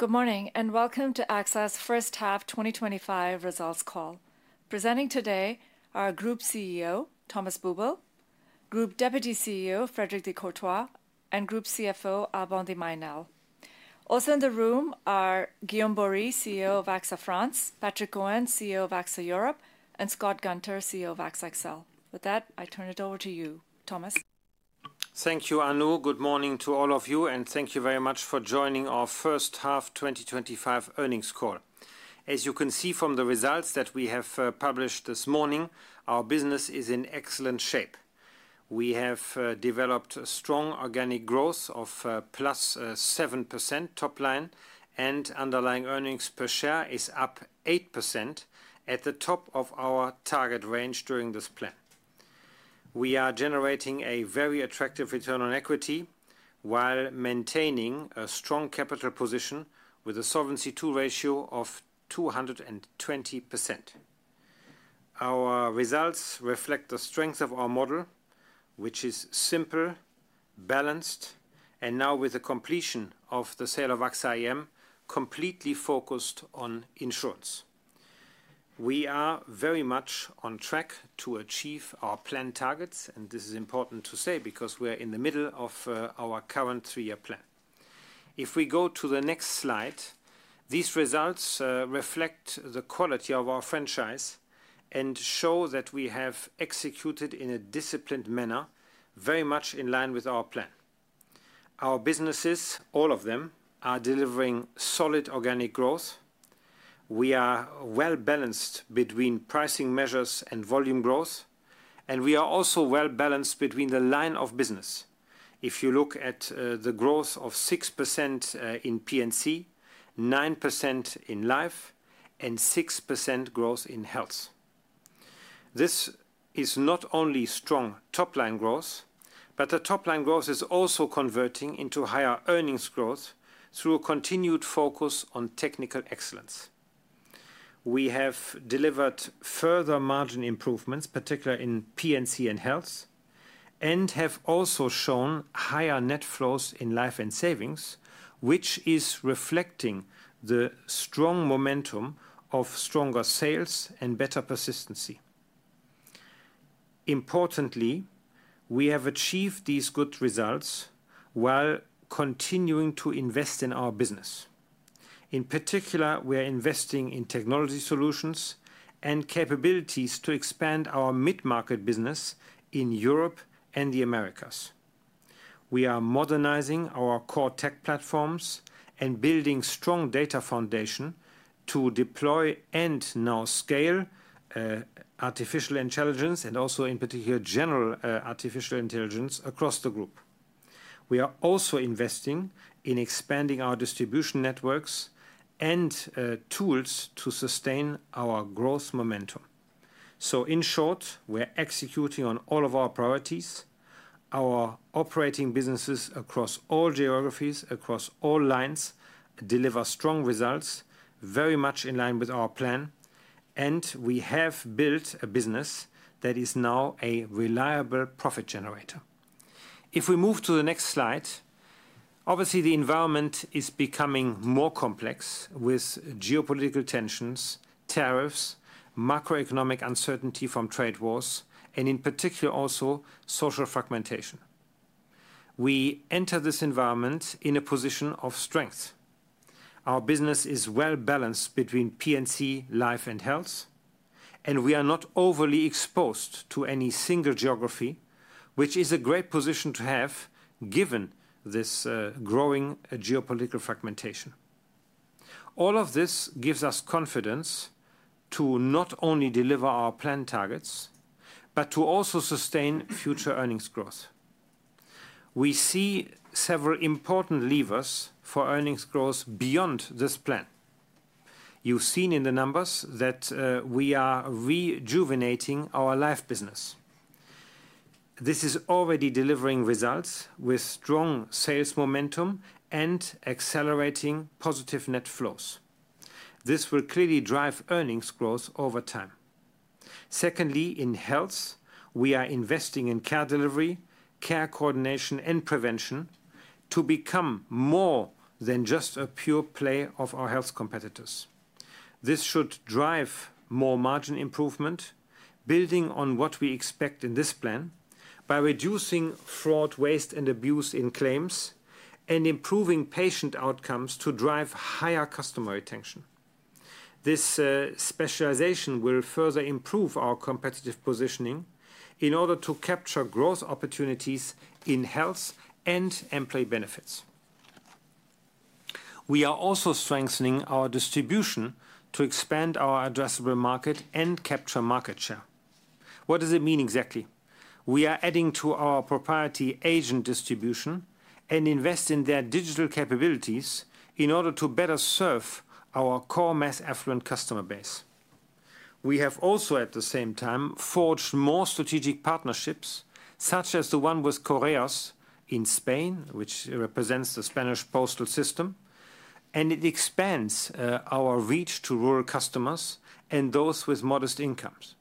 Good morning and welcome to AXA's first. Half 2025 results call presenting today are Group CEO Thomas Buberl, Group Deputy CEO Frédéric de Courtois and Group CFO Alban de Mailly Nesle. Also in the room are Guillaume Borie. CEO of AXA France, Patrick Cohen, CEO. Of AXA Europe and Scott Gunter, CEO of AXA XL. With that I turn it over to you, Thomas. Thank you, Anu. Good morning to all of you and thank you very much for joining our first half 2025 earning. As you can see from the results that we have published this morning, our business is in excellent shape. We have developed strong organic growth of +7% top line and underlying earnings per share is up 8% at the top of our target range. During this plan, we are generating a very attractive return on equity while maintaining a strong capital position with a Solvency II ratio of 220%. Our results reflect the strength of our model, which is simple, balanced, and now with the completion of the sale of AXA IM, completely focused on insurance, we are very much on track to achieve our plan targets. This is important to say because we are in the middle of our current three-year plan. If we go to the next slide, these results reflect the quality of our franchise and show that we have executed in a disciplined manner, very much in line with our plan. Our businesses, all of them, are delivering solid organic growth. We are well balanced between pricing measures and volume growth, and we are also well balanced between the line of business. If you look at the growth of 6% in P&C, 9% in life, and 6% growth in health, this is not only strong top line growth, but the top line growth is also converting into higher earnings growth through a continued focus on technical excellence. We have delivered further margin improvements, particularly in P&C and health, and have also shown higher net flows in life and savings, which is reflecting the strong momentum of stronger sales and better persistency. Importantly, we have achieved these good results while continuing to invest in our business. In particular, we are investing in technology solutions and capabilities to expand our mid-market business in Europe and the Americas. We are modernizing our core tech platforms and building strong data foundation to deploy and now scale artificial intelligence, and also in particular general artificial intelligence across the group. We are also investing in expanding our distribution networks and tools to sustain our growth momentum. In short, we're executing on all of our priorities. Our operating businesses across all geographies, across all lines, deliver strong results very much in line with our plan, and we have built a business that is now a reliable profit generator. If we move to the next slide. Obviously, the environment is becoming more complex with geopolitical tensions, tariffs, macroeconomic uncertainty from trade wars, and in particular also social fragmentation. We enter this environment in a position of strength. Our business is well balanced between P&C, life, and health, and we are not overly exposed to any single geography, which is a great position to have given this growing geopolitical fragmentation. All of this gives us confidence to not only deliver our plan targets, but to also sustain future earnings growth. We see several important levers for earnings growth beyond this plan. You've seen in the numbers that we are rejuvenating our life business. This is already delivering results with strong sales momentum and accelerating positive net flows. This will clearly drive earnings growth over time. Secondly, in health, we are investing in care delivery, care coordination, and prevention to become more than just a pure play of our health competitors. This should drive more margin improvement, building on what we expect in this plan by reducing fraud, waste, and abuse in claims and improving patient outcomes to drive higher customer retention. This specialization will further improve our competitive positioning in order to capture growth opportunities in health and employee benefits. We are also strengthening our distribution to expand our addressable market and capture market share. What does it mean exactly? We are adding to our proprietary agent-based distribution and invest in their digital capabilities in order to better serve our core mass affluent customer base. We have also at the same time forged more strategic partnerships such as the one with Correos in Spain, which represents the Spanish postal system, and it expands our reach to rural customers and those with modest incomes.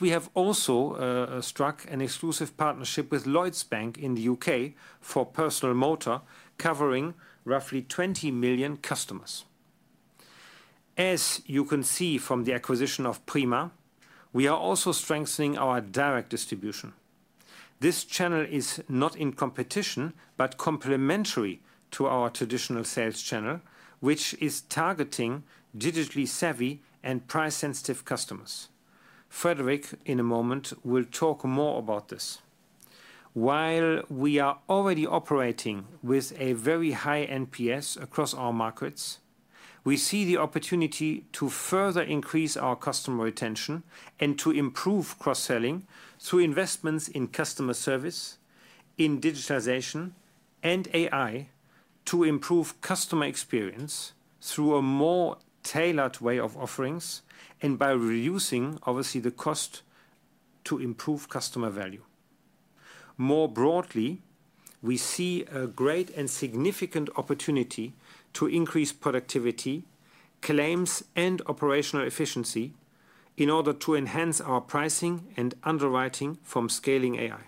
We have also struck an exclusive partnership with Lloyds Bank in the U.K. for personal motor insurance covering roughly 20 million customers. As you can see from the acquisition of Prima, we are also strengthening our direct distribution. This channel is not in competition but complementary to our traditional sales channel, which is targeting digitally savvy and price sensitive customers. Frédéric will, in a moment, talk more about this. While we are already operating with a very high NPS across our markets, we see the opportunity to further increase our customer retention and to improve cross-selling through investments in customer service, in digitization and AI, to improve customer experience through a more tailored way of offerings and by reducing, obviously, the cost to improve customer value more broadly. We see a great and significant opportunity to increase productivity, claims, and operational efficiency in order to enhance our pricing and underwriting. From scaling AI,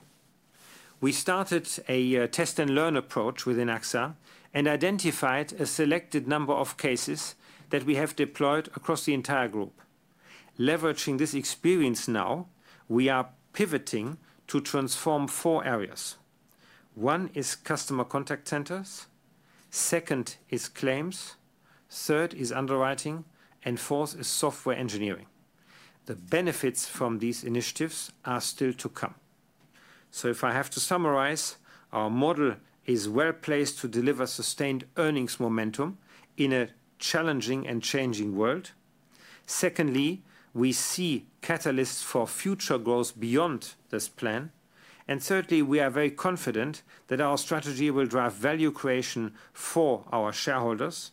we started a test and learn approach within AXA and identified a selected number of cases that we have deployed across the entire group. Leveraging this experience, now we are pivoting to transform four areas. One is customer contact centers, second is claims, third is underwriting, and fourth is software engineering. The benefits from these initiatives are still to come. If I have to summarize, our model is well placed to deliver sustained earnings momentum in a challenging and changing world. Secondly, we see catalysts for future growth beyond this plan. Thirdly, we are very confident that our strategy will drive value creation for our shareholders,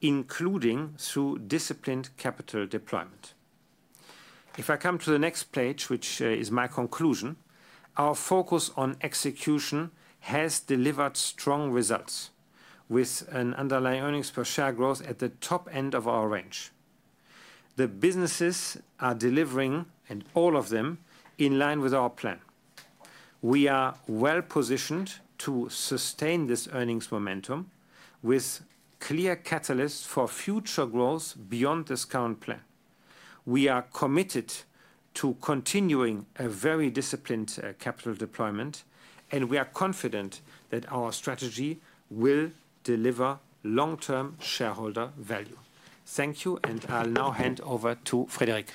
including through disciplined capital deployment. If I come to the next page, which is my conclusion, our focus on execution has delivered strong results with an underlying earnings per share growth at the top end of our range. The businesses are delivering and all of them in line with our plan. We are well positioned to sustain this earnings momentum with clear catalysts for future growth beyond this current plan. We are committed to continuing a very disciplined capital deployment and we are confident that our strategy will deliver long-term shareholder value. Thank you. I'll now hand over to Frédéric.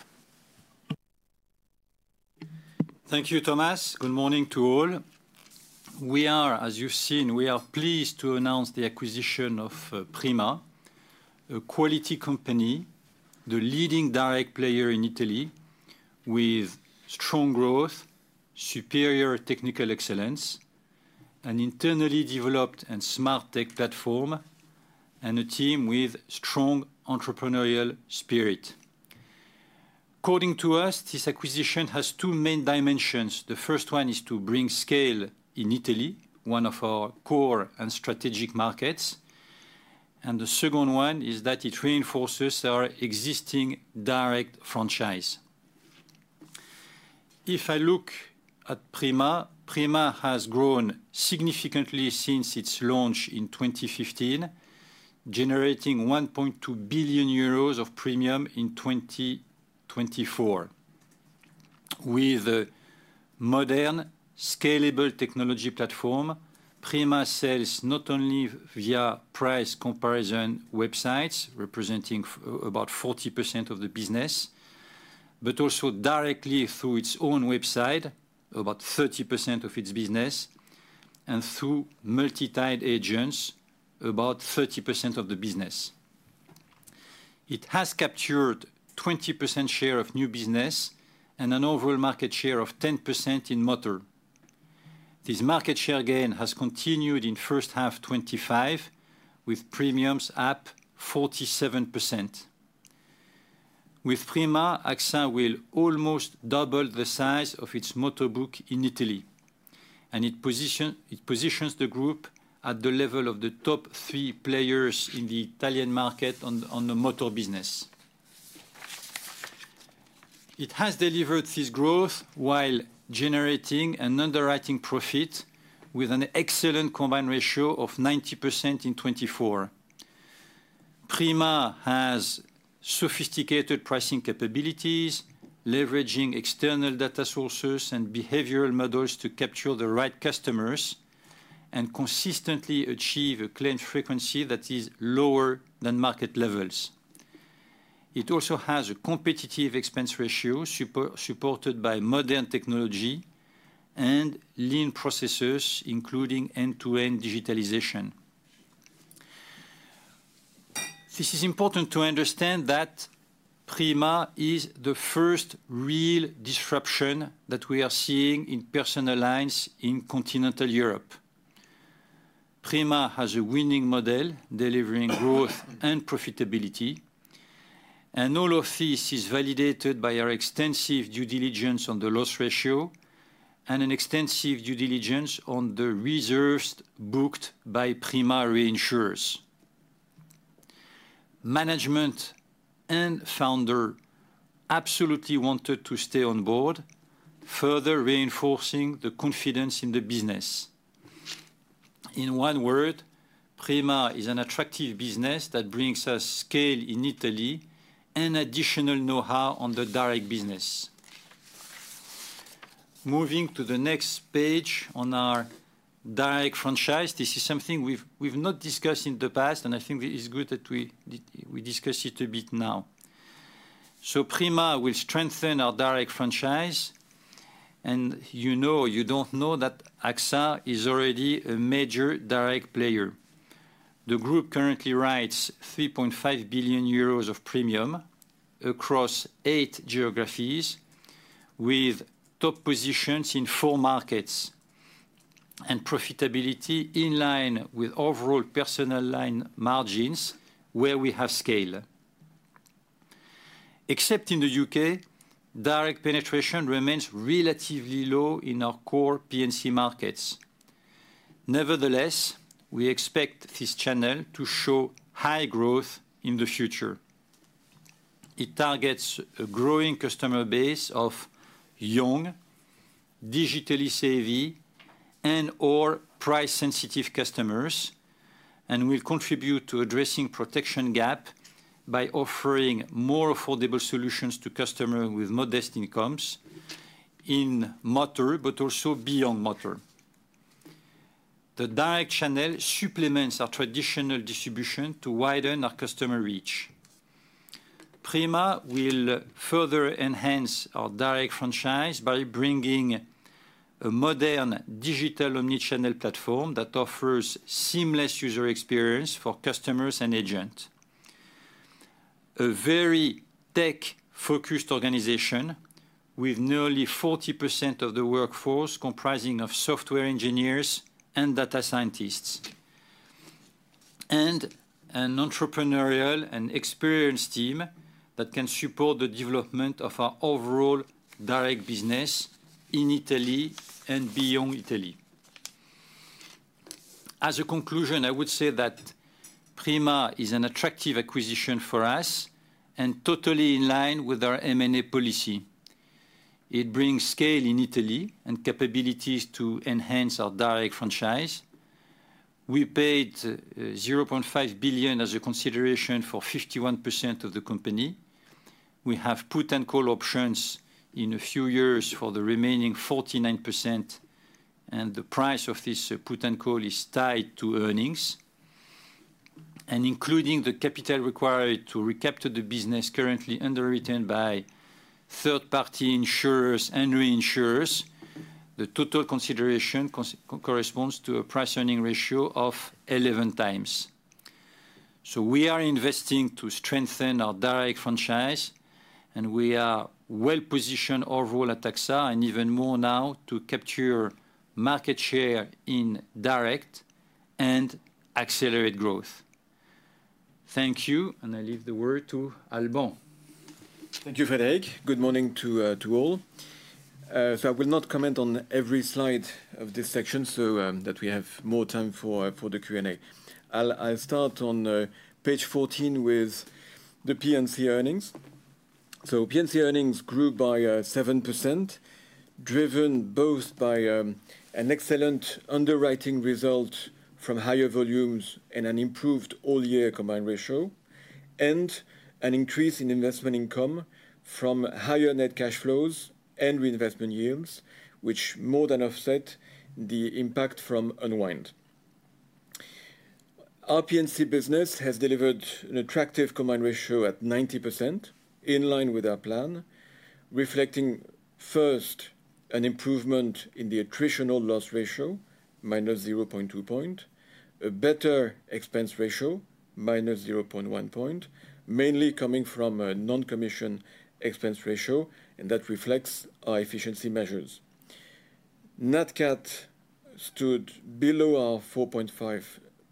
Thank you, Thomas. Good morning to all. We are, as you've seen, we are pleased to announce the acquisition of Prima, a quality company, the leading direct player in Italy with strong growth, superior technical excellence, an internally developed and smart tech platform, and a team with strong entrepreneurial spirit. According to us, this acquisition has two main dimensions. The first one is to bring scale in Italy, one of our core and strategic markets. The second one is that it reinforces our existing direct franchise. If I look at Prima, Prima has grown significantly since its launch in 2015, generating 1.2 billion euros of premium in 2024. With a modern, scalable technology platform, Prima sells not only via price comparison websites representing about 40% of the business, but also directly through its own website, about 30% of its business, and through multi-tied agents, about 30% of the business. It has captured 20% share of new business and an overall market share of 10% in motor. This market share gain has continued in first half 2025 with premiums up 47%. With Prima, AXA will almost double the size of its motor book in Italy. It positions the group at the level of the top three players in the Italian market on the motor business. It has delivered this growth while generating an underwriting profit with an excellent combined ratio of 90% in 2024. Prima has sophisticated pricing capabilities leveraging external data sources and behavioral models to capture the right customers and consistently achieve a claim frequency that is lower than market levels. It also has a competitive expense ratio supported by modern technology and lean processes, including end-to-end digitalization. It is important to understand that Prima is the first real disruption that we are seeing in personal lines in continental Europe. Prima has a winning model delivering growth and profitability. All of this is validated by our extensive due diligence on the loss ratio and an extensive due diligence on the reserves booked by Prima reinsurers. Management and founder absolutely wanted to stay on board, further reinforcing the confidence in the business. In one word, Prima is an attractive business that brings us scale in Italy and additional know-how on the direct business. Moving to the next page on our direct franchise, this is something we've not discussed in the past and I think it's good that we discuss it a bit now. Prima will strengthen our direct franchise and you know, you don't know that AXA is already a major direct player. The Group currently writes 3.5 billion euros of premium across eight geographies with top positions in four markets and profitability in line with overall personal line margins where we have scale. Except in the U.K., direct penetration remains relatively low in our core P&C markets. Nevertheless, we expect this channel to show high growth in the future. It targets a growing customer base of young, digitally savvy and or price sensitive customers and will contribute to addressing protection gap by offering more affordable solutions to customers with modest incomes. In Motor but also beyond Motor, the direct channel supplements our traditional distribution to widen our customer reach. Prima will further enhance our direct franchise by bringing a modern digital omnichannel platform that offers seamless user experience for customers and agents. A very tech focused organization with nearly 40% of the workforce comprising of software engineers and data scientists and an entrepreneurial and experienced team that can support the development of our overall direct business in Italy and beyond. Italy, as a conclusion, I would say that Prima is an attractive acquisition for us and totally in line with our M&A policy. It brings scale in Italy and capabilities to enhance our direct franchise. We paid 0.5 billion as a consideration for 51% of the company. We have put and call options in a few years for the remaining 49%. The price of this put and call is tied to earnings and including the capital required to recapture the business currently underwritten by third party insurers and reinsurers. The total consideration corresponds to a price earning ratio of 11 times. We are investing to strengthen our direct franchise and we are well positioned overall at AXA and even more now to capture market share in direct and accelerate growth. Thank you and I leave the word to Alban. Thank you Frédéric. Good morning to all. I will not comment on every slide of this section so that we have more time for the Q and A. I'll start on page 14 with the P&C earnings. P&C earnings grew by 7% driven both by an excellent underwriting result from higher volumes and an improved all year combined ratio and an increase in investment income from higher net cash flows and reinvestment yields, which more than offset the impact from unwind. Our P&C business has delivered an attractive combined ratio at 90% in line with our plan, reflecting first an improvement in the attritional loss ratio -0.2 points, a better expense ratio -0.1 point mainly coming from non-commission expense ratio, and that reflects our efficiency measures. NatCat stood below our 4.5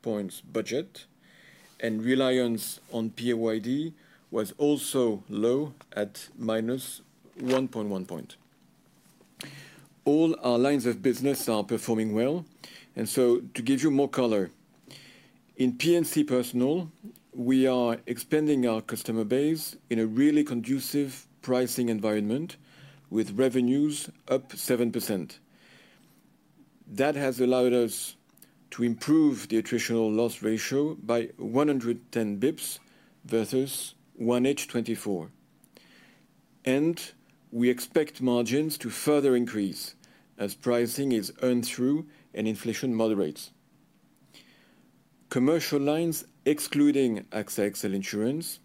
points budget and reliance on PAYD was also low at -1.1 point. All our lines of business are performing well. To give you more color, in P&C Personal we are expanding our customer base in a really conducive pricing environment with revenues up 7%. That has allowed us to improve the attritional loss ratio by 110 bps versus 1H24 and we expect margins to further increase as pricing is earned through and inflation moderates. Commercial lines excluding AXA XL Insurance,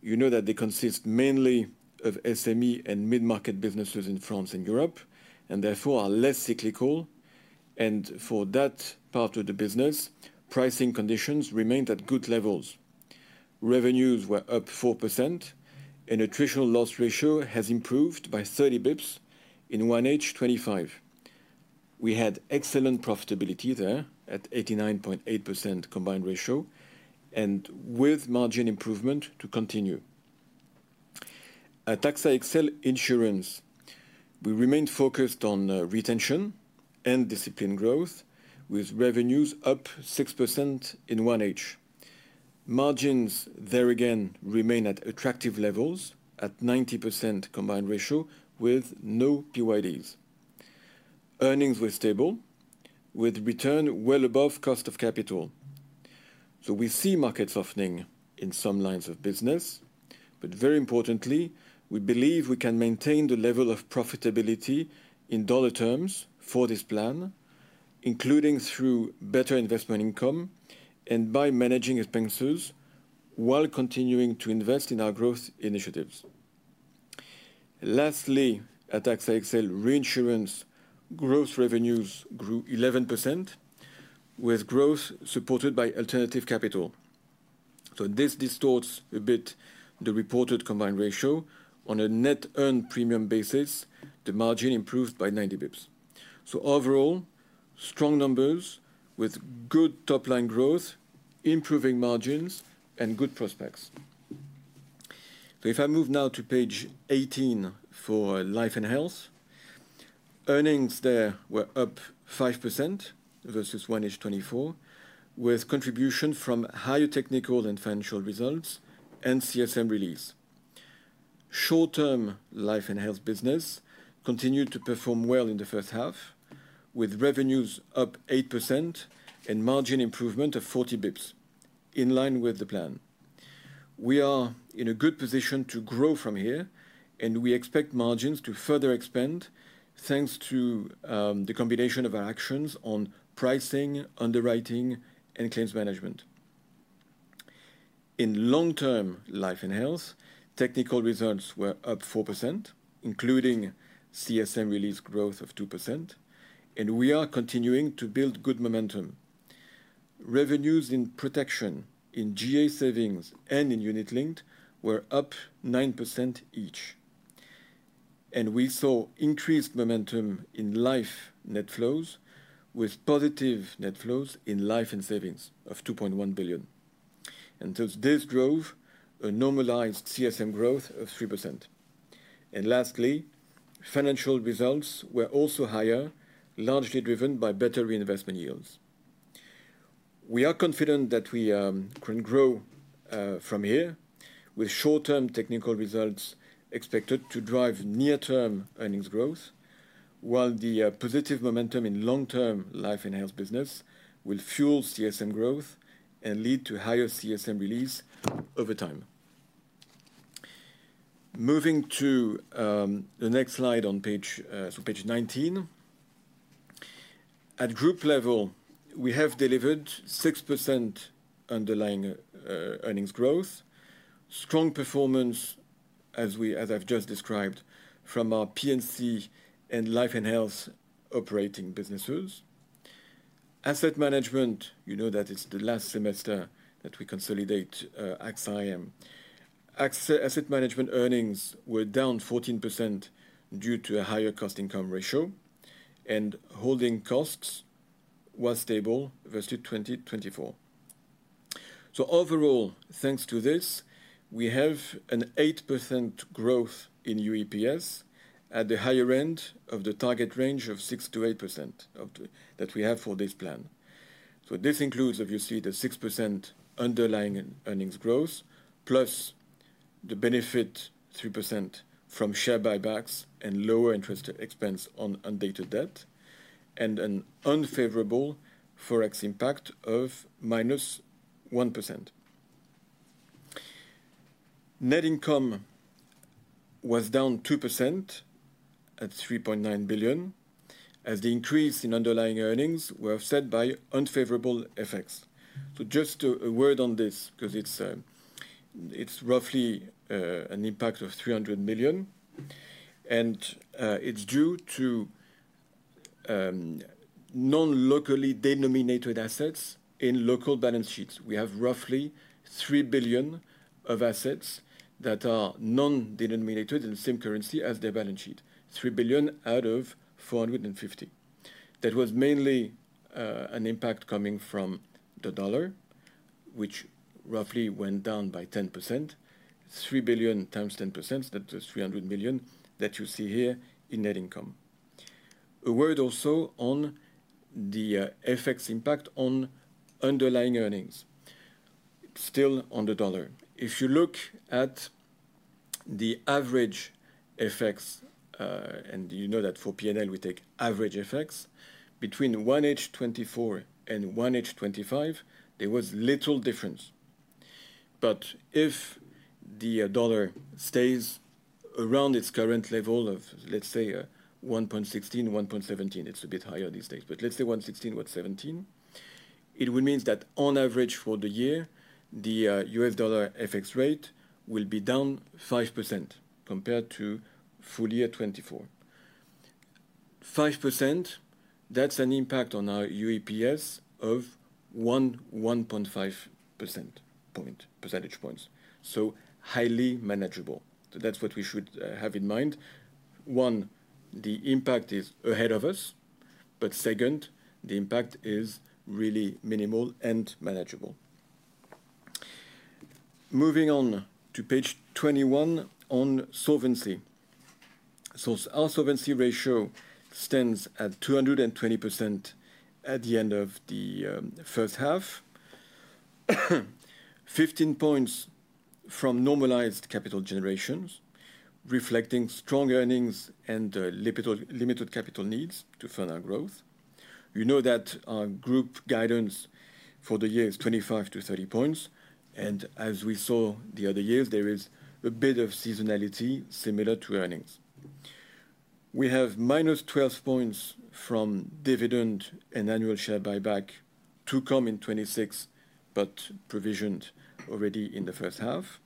you know that they consist mainly of SME and mid-market businesses in France and Europe and therefore are less cyclical. For that part of the business, pricing conditions remained at good levels. Revenues were up 4% and attritional loss ratio has improved by 30 bps in 1H25. We had excellent profitability there at 89.8% combined ratio and with margin improvement to continue. At AXA XL Insurance we remained focused on retention and disciplined growth with revenues up 6% in 1H. Margins there again remain at attractive levels. At 90% combined ratio with no PYDs, earnings were stable with return well above cost of capital. We see market softening in some lines of business. Very importantly, we believe we can maintain the level of profitability in dollar terms for this plan, including through better investment income and by managing expenses while continuing to invest in our growth initiatives. Lastly, at AXA XL Reinsurance, gross revenues grew 11% with growth supported by alternative capital. This distorts a bit the reported combined ratio. On a net earned premium basis, the margin improved by 90 bps. Overall, strong numbers with good top line growth, improving margins and good prospects. If I move now to page 18 for Life and Health earnings, they were up 5% versus 1H24 with contribution from higher technical and financial results and CSM release. Short term Life and Health business continued to perform well in the first half with revenues up 8% and margin improvement of 40 bps in line with the plan. We are in a good position to grow from here and we expect margins to further expand thanks to the combination of our actions on pricing, underwriting, and claims management. In long term Life and Health, technical results were up 4% including CSM release growth of 2% and we are continuing to build good momentum. Revenues in Protection, in GA Savings, and in Unit Linked were up 9% each and we saw increased momentum in Life net flows with positive net flows in Life and Savings of 2.1 billion. This drove a normalized CSM growth of 3%. Lastly, financial results were also higher, largely driven by better reinvestment yields. We are confident that we can grow from here with short term technical results expected to drive near term earnings growth while the positive momentum in long term Life and Health business will fuel CSM growth and lead to higher CSM release over time. Moving to the next slide on page 19. At Group level, we have delivered 6% underlying earnings growth. Strong performance as I've just described from our P&C and Life and Health operating businesses. Asset Management, you know that it's the last semester that we consolidate AXA IM.. Asset Management earnings were down 14% due to a higher cost income ratio and holding costs were stable versus 2024. Overall, thanks to this, we have an 8% growth in UEPS at the higher end of the target range of 6%-8% that we have for this plan. This includes obviously the 6% underlying earnings growth plus the benefit, 3% from share buy-backs and lower interest expense on undated debt, and an unfavorable forex impact of -1%. Net income was down 2% at 3.9 billion as the increase in underlying earnings was offset by unfavorable effects. Just a word on this because it's roughly an impact of 300 million and it's due to non-locally denominated assets in local balance sheets. We have roughly 3 billion of assets that are not denominated in the same currency as their balance sheet. 3 billion out of 450 billion. That was mainly an impact coming from the dollar, which roughly went down by 10%. 3 billion times 10%. That was 300 million that you see here in net income. A word also on the FX impact on underlying earnings, still on the dollar. If you look at the average FX, and you know that for P&L we take average FX between 1H24 and 1H25, there was little difference. If the dollar stays around its current level of, let's say, 1.16, 1.17—it's a bit higher these days, but let's say 1.16, 1.17—it would mean that on average for the year, the U.S. dollar FX rate will be down 5% compared to full year 2024, 5%. That's an impact on our UEPS of 1.5 percentage points, so highly manageable. That's what we should have in mind. One, the impact is ahead of us, but second, the impact is really minimal and manageable. Moving on to page 21 on Solvency. Our Solvency ratio stands at 220% at the end of the first half. Fifteen points from normalized capital generation reflecting strong earnings and limited capital needs to fund our growth. You know that our group guidance for the year is 25 to 30 points, and as we saw the other years, there is a bit of seasonality similar to earnings. We have -12 points from dividend and annual share buyback to come in 26, but provisioned already in the first half,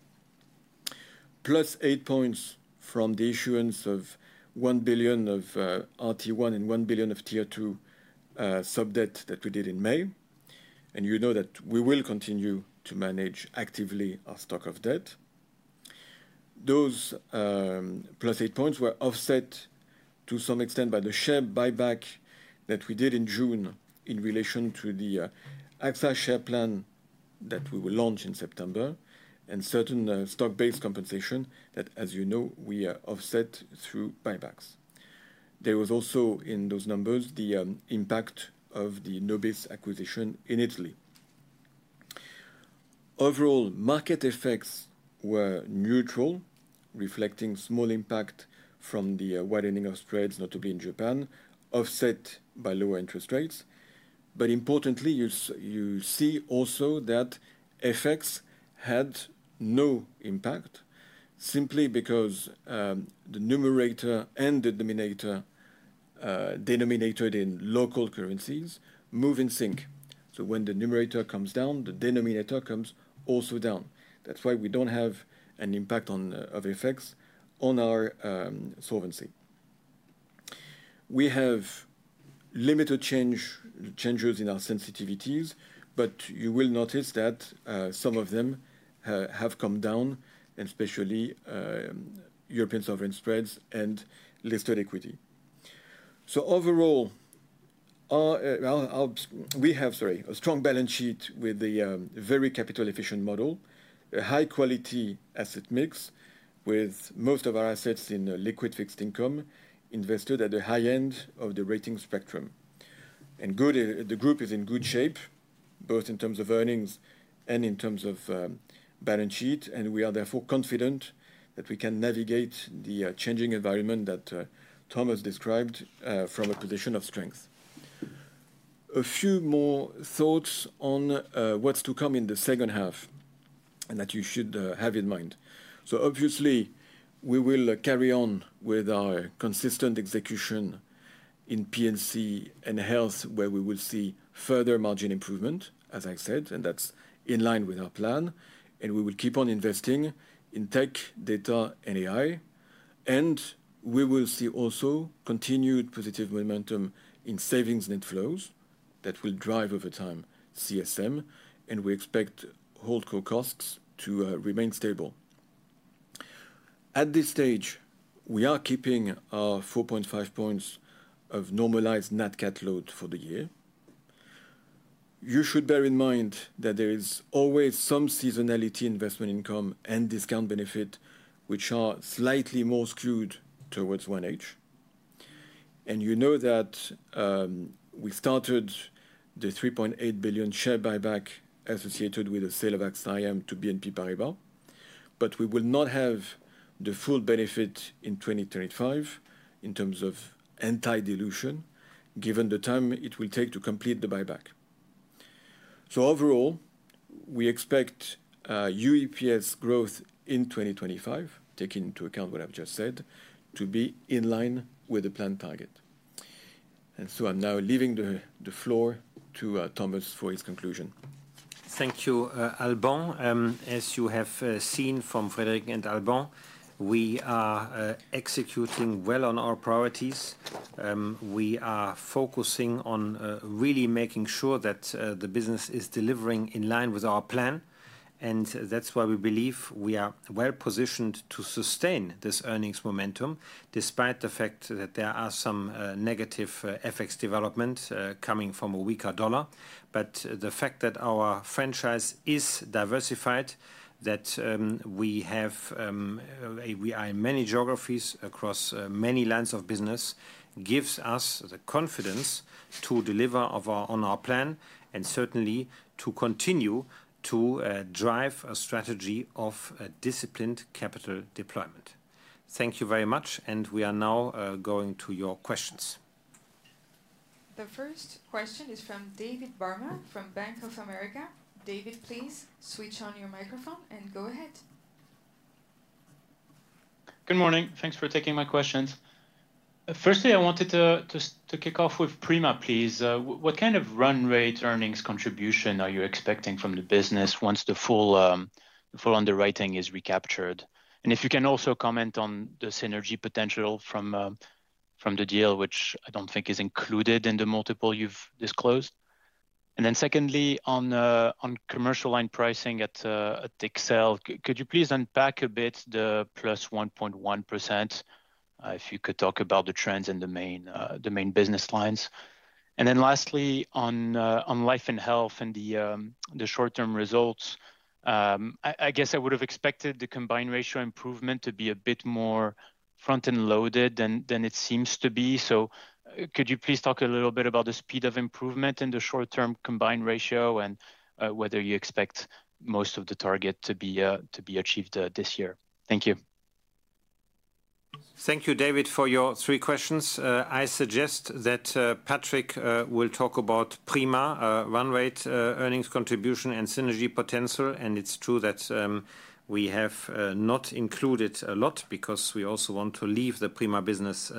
+8 points from the issuance of 1 billion of RT1 and 1 billion of Tier 2 sub debt that we did in May. You know that we will continue to manage actively our stock of debt. Those +8 points were offset to some extent by the share buyback that we did in June in relation to the AXA share plan that we will launch in September and certain stock-based compensation that, as you know, we offset through buy-backs. There was also in those numbers the impact of the Nobis acquisition in Italy. Overall, market effects were neutral, reflecting small impact from the widening of spreads, notably in Japan, offset by lower interest rates. Importantly, you see also that FX had no impact simply because the numerator and the denominator in local currencies move in sync. When the numerator comes down, the denominator comes also down. That's why we don't have an impact of FX on our solvency. We have limited changes in our sensitivities, but you will notice that some of them have come down, especially European sovereign spreads and listed equity. Overall, we have a strong balance sheet with a very capital efficient model, a high quality asset mix with most of our assets in liquid fixed income invested at the high end of the rating spectrum. The group is in good shape both in terms of earnings and in terms of balance sheet. We are therefore confident that we can navigate the changing environment that Thomas described from a position of strength. A few more thoughts on what's to come in the second half and that you should have in mind. Obviously, we will carry on with our consistent execution in P&C and health where we will see further margin improvement as I said, and that's in line with our plan. We will keep on investing in tech, data, and AI, and we will see also continued positive momentum in savings net flows that will drive over time CSM, and we expect holdco costs to remain stable at this stage. We are keeping our 4.5 points of normalized NatCat load for the year. You should bear in mind that there is always some seasonality, investment income, and discount benefit which are slightly more skewed towards one horizon. You know that we started the 3.8 billion share buyback associated with the sale of AXA IM to BNP Paribas, but we will not have the full benefit in 2025 in terms of anti-dilution given the time it will take to complete the buy-back. Overall, we expect UEPS growth in 2025, taking into account what I've just said, to be in line with the planned target. I'm now leaving the floor to Thomas for his conclusion. Thank you, Alban. As you have seen from Frédéric and Alban, we are executing well on our priorities. We are focusing on really making sure that the business is delivering in line with our plan. That is why we believe we are well positioned to sustain this earnings momentum despite the fact that there are some negative FX headwinds coming from a weaker dollar. The fact that our franchise is diversified, that we are in many geographies across many lines of business, gives us the confidence to deliver on our plan and certainly to continue to drive a strategy of disciplined capital deployment. Thank you very much. We are now going to your questions. The first question is from David Barma from Bank of America. David, please switch on your microphone and go ahead. Good morning. Thanks for taking my questions. Firstly, I wanted to kick off with Prima please. What kind of run rate earnings contribution are you expecting from the business once the full underwriting is recaptured? If you can also comment on the synergy potential from the deal, which I don't think is included in the multiple you've disclosed. Secondly, on commercial line pricing at XL, could you please unpack a bit the +1.1%? If you could talk about the trends in the main business lines. Lastly, on life and health and the short term results, I guess I would have expected the combined ratio improvement to be a bit more front end loaded than it seems to be. Could you please talk a little bit about the speed of improvement in the short term combined ratio and whether you expect most of the target to be achieved this year? Thank you. Thank you, David, for your three questions. I suggest that Patrick will talk about Prima run rate, earnings contribution, and synergy potential. It's true that we have not included a lot because we also want to leave the Prima business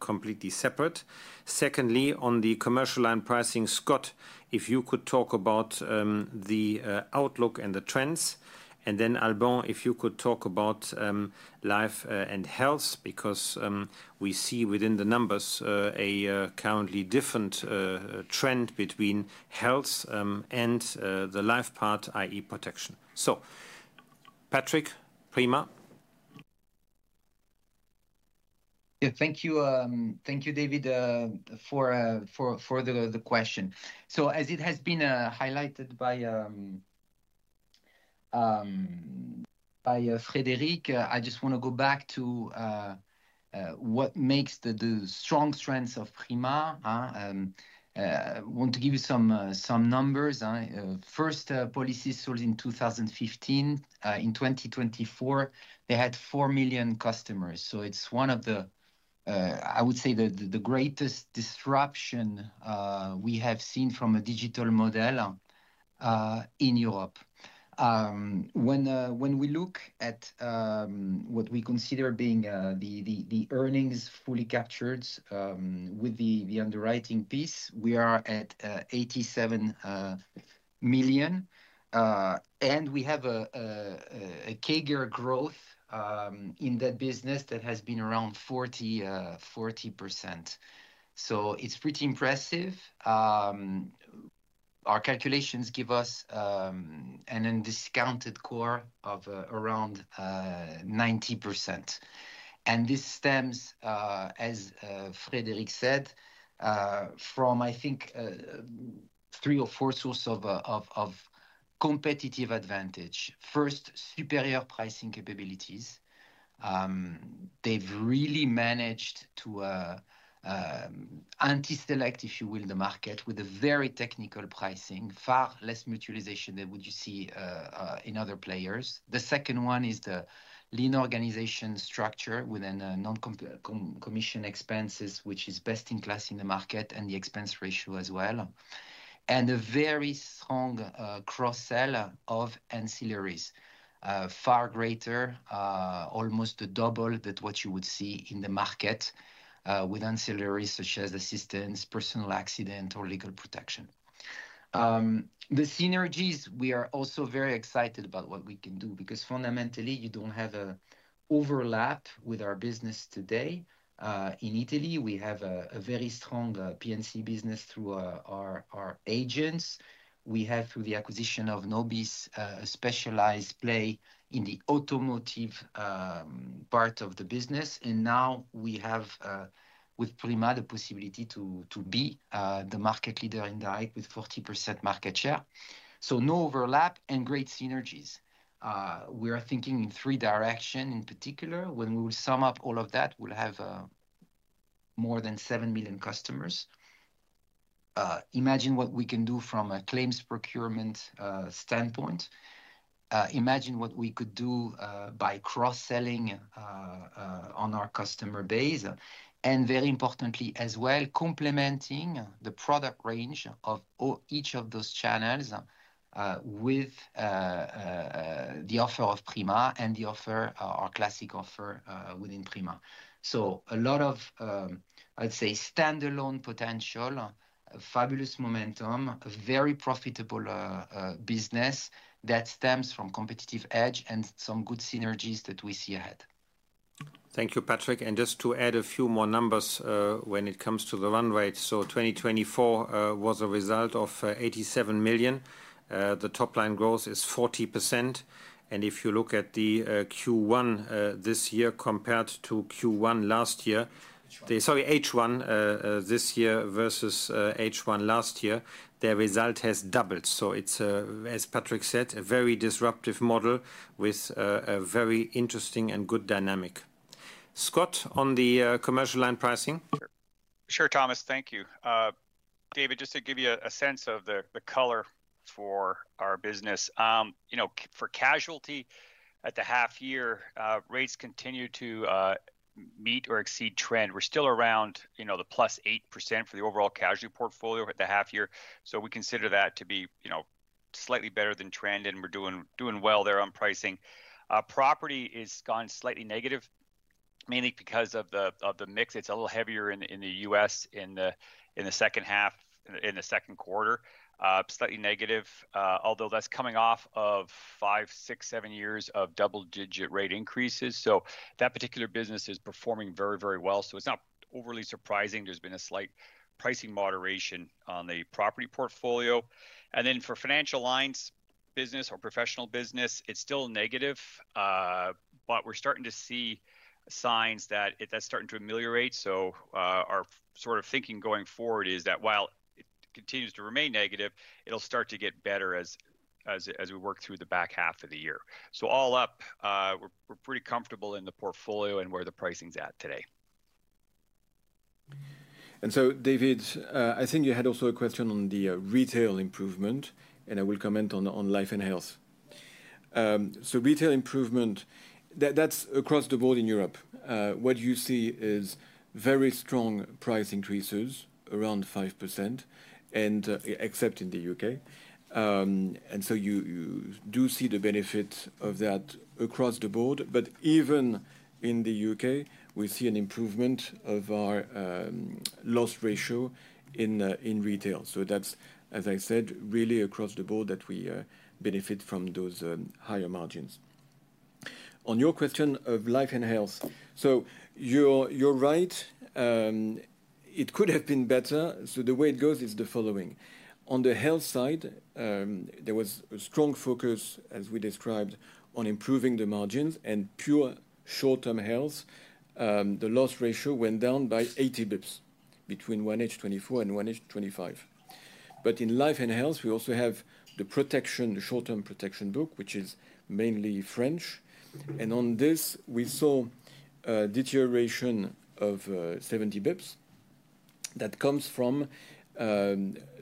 completely separate. Secondly, on the commercial line pricing, Scott, if you could talk about the outlook and the trends, and then Alban, if you could talk about life and health because we see within the numbers a currently different trend between health and the life part, that is protection. So Patrick, Prima. Thank you. Thank you, David, for the question. As it has been highlighted by Frédéric, I just want to go back to what makes the strong strengths of Prima. I want to give you some numbers. First, policies sold in 2015, in 2024 they had four million customers. It's one of the, I would say, the greatest disruption we have seen from a digital model in Europe. When we look at what we consider being the earnings fully captured with the underwriting piece, we are at 87 million, and we have a CAGR growth in that business that has been around 40%. It's pretty impressive. Our calculations give us an undiscounted core of around 90%. This stems, as Frédéric said, from I think three or four sources of competitive advantage. First, superior pricing capabilities. They've really managed to anti-select, if you will, the market with a very technical pricing, far less mutualization than what you see in other players. The second one is the lean organization structure with non-commission expenses, which is best in class in the market, and the expense ratio as well. A very strong cross seller of ancillaries, far greater, almost double what you would see in the market, with ancillaries such as assistance, personal accident, or legal protection. The synergies. We are also very excited about what we can do because fundamentally you don't have an overlap with our business. Today in Italy, we have a very strong P&C business through our agents. We have, through the acquisition of Nobis, a specialized play in the automotive part of the business. Now we have with Prima the possibility to be the market leader in direct with 40% market share. No overlap and great synergies. We are thinking in three directions in particular. When we sum up all of that, we'll have more than seven million customers. Imagine what we can do from a claims procurement standpoint, imagine what we could do by cross-selling on our customer base, and very importantly as well, complementing the product range of each of those channels with the offer of Prima and the offer, our classic offer within Prima. A lot of, I'd say, standalone potential, fabulous momentum, a very profitable business that stems from competitive edge and some good synergies that we see ahead. Thank you, Patrick. Just to add a few more numbers when it comes to the run rate, 2024 was a result of 87 million. The top line growth is 40%. If you look at Q1 this year compared to Q1 last year, sorry, H1 this year versus H1 last year, their result has doubled. It's as Patrick said, a very disruptive model with a very interesting and good dynamic. Scott, on the commercial line, pricing. Sure, Thomas. Thank you. David. Just to give you a sense of the color for our business, for casualty at the half year, rates continue to meet or exceed trend. We're still around the +8% for the overall casualty portfolio at the half year. We consider that to be slightly better than trend and we're doing well there. On pricing, property has gone slightly negative mainly because of the mix. It's a little heavier in the U.S. in the second half, in the second quarter, slightly negative, although that's coming off of five, six, seven years of double-digit rate increases. That particular business is performing very, very well. It's not overly surprising. There's been a slight pricing moderation on the property portfolio and then for financial lines business or professional business, it's still negative but we're starting to see signs that that's starting to ameliorate. Our sort of thinking going forward is that while it continues to remain negative, it'll start to get better as we work through the back half of the year. All up we're pretty comfortable in the portfolio and where the pricing's at today. David, I think you had also a question on the retail improvement and I will comment on life and health. Retail improvement, that's across the board. In Europe, what you see is very strong price increases around 5% except in the U.K. You do see the benefit of that across the board. Even in the U.K., we see an improvement of our loss ratio in retail. As I said, really across the board we benefit from those higher margins. On your question of life and health, you're right, it could have been better. The way it goes is the following. On the health side, there was a strong focus, as we described, on improving the margins and pure short term health. The loss ratio went down by 80 bps between 1H24 and 1H25. In life and health, we also have the protection, the short term protection book, which is mainly French. On this, we saw deterioration of 70 bps. That comes from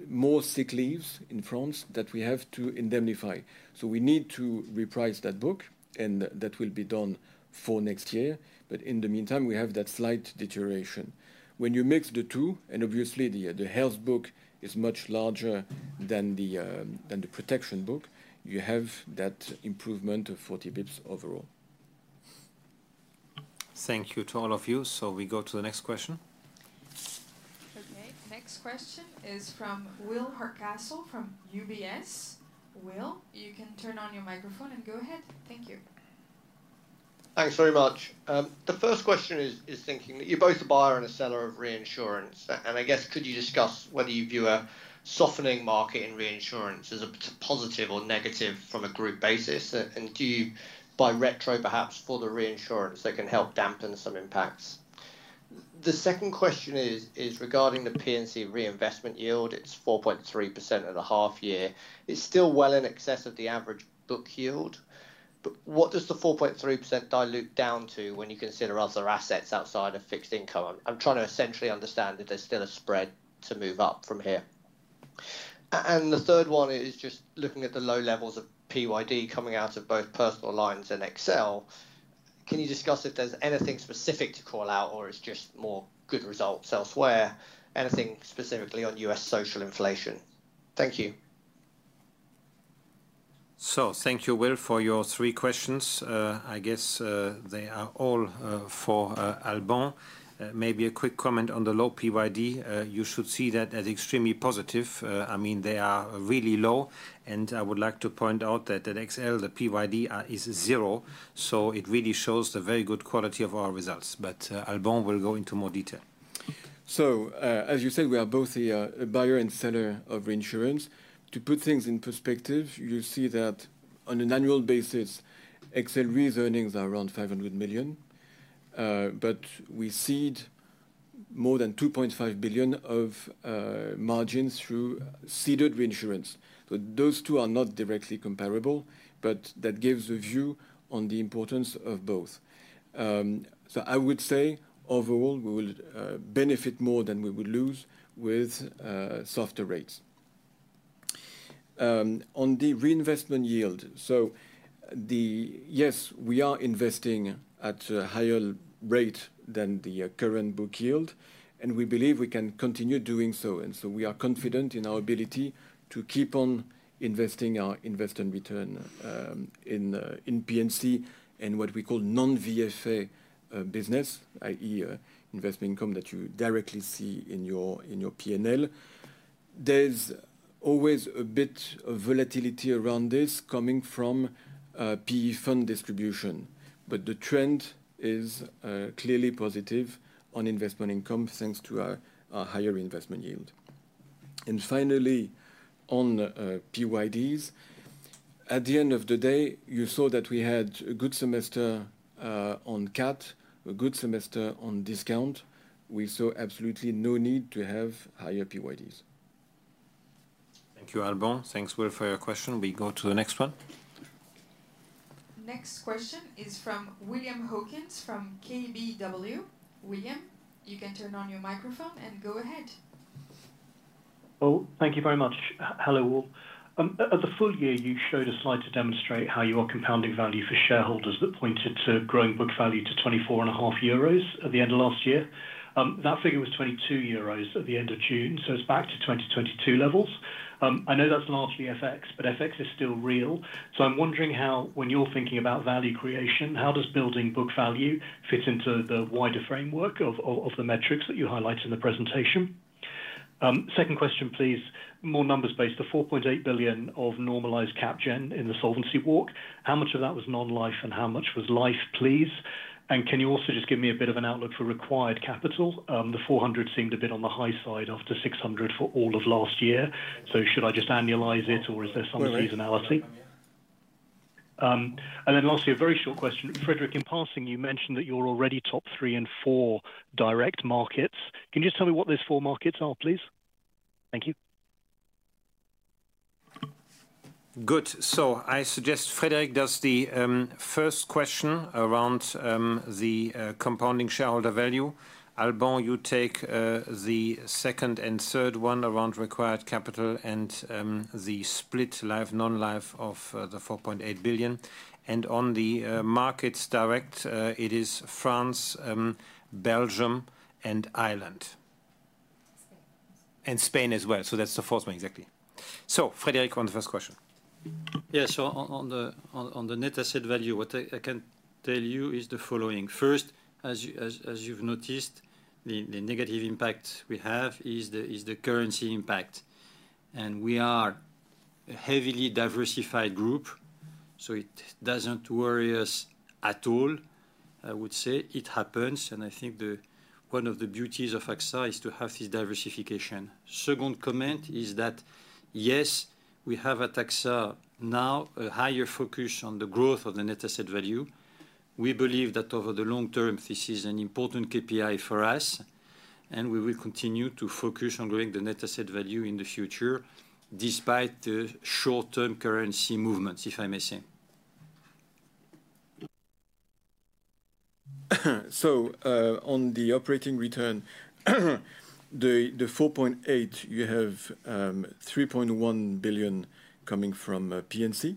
more sick leaves in France that we have to indemnify. We need to reprice that book and that will be done for next year. In the meantime, we have that slight deterioration when you mix the two. Obviously, the health book is much larger than the protection book. You have that improvement of 40 bps overall. Thank you to all of you. We go to the next question. Next question is from Will Hardcastle from UBS. Will, you can turn on your microphone and go ahead. Thank you. Thanks very much. The first question is thinking you're both a buyer and a seller of reinsurance. Could you discuss whether you view a softening market in reinsurance as a positive or negative from a group basis? Do you buy retro perhaps for the reinsurance that can help dampen some impacts? The second question is regarding the P&C reinvestment yield. It's 4.3% in a half year. It's still well in excess of the average book yield. What does the 4.3% dilute down to when you consider other assets outside of fixed income? I'm trying to essentially understand if there's still a spread to move up from here. The third one is just looking at the low levels of PYD coming out of both personal lines and XL. Can you discuss if there's anything specific to call out or is it just more good results elsewhere? Anything specifically on U.S. social inflation? Thank you. Thank you, Will, for your three questions. I guess they are all for Alban. Maybe a quick comment on the low PYD. You should see that as extremely positive. I mean they are really low. I would like to point out that at XL the PYD is zero. It really shows the very good quality of our results. Alban will go into more detail. As you said, we are both a buyer and seller of reinsurance. To put things in perspective, you see that on an annual basis, accelerate earnings are around 500 million. We cede more than 2.5 billion of margins through ceded reinsurance. Those two are not directly comparable, but that gives a view on the importance of both. I would say overall we will benefit more than we would lose with softer rates on the reinvestment yield. Yes, we are investing at a higher rate than the current book yield and we believe we can continue doing so. We are confident in our ability to keep on investing our invest and return in P&C and what we call non-VFA business. That is investment income that you directly see in your P&L. There's always a bit of volatility around this coming from PE fund distribution, but the trend is clearly positive on investment income thanks to our higher investment yield. Finally, on PYDs, at the end of the day you saw that we had a good semester on Cat, a good semester on discount. We saw absolutely no need to have higher PYDs. Thank you Alban. Thanks Will, for your question. We go to the next one. Next question is from William Hawkins from KBW. William, you can turn on your microphone and go ahead. Thank you very much. Hello all. At the full year you showed a slide to demonstrate how you are compounding value for shareholders. That pointed to growing book value to 24.5 euros at the end of last year. That figure was 22 euros at the end of June. It's back to 2022 levels. I know that's largely FX, but FX is still real. I'm wondering how, when you're thinking about value creation, how does building book value fit into the wider framework of the metrics that you highlight in the presentation? Second question please. More numbers based. The 4.8 billion of normalized CapGen in the Solvency walk, how much of that was non-life and how much was life, please? Can you also just give me a bit of an outlook for required capital? The 400 million seemed a bit on the high side after 600 million for all of last year. Should I just annualize it or is there some seasonality? Lastly, a very short question. Frédéric, in passing, you mentioned that you're already top three in four direct markets. Can you just tell me what those four markets are, please? Thank you. Good. I suggest Frédéric does the first question around the compounding shareholder value. Alban, you take the second and third one around required capital and the split life non-life of the 4.8 billion, and on the markets directly it is France, Belgium, Ireland, and Spain as well. That's the fourth one. Exactly. Frédéric, on the first question. Yes, on the net asset value, what I can tell you is the following. First, as you've noticed, the negative impact we have is the currency impact, and we are a heavily diversified group, so it doesn't worry us at all. I would say it happens, and I think one of the beauties of AXA is to have this diversification. Second comment is that yes, we have at AXA now a higher focus on the growth of the net asset value. We believe that over the long term this is an important KPI for us, and we will continue to focus on growing the net asset value in the future despite the short term currency movements, if I may say. On the operating return, the 4.8, you have 3.1 billion coming from P&C.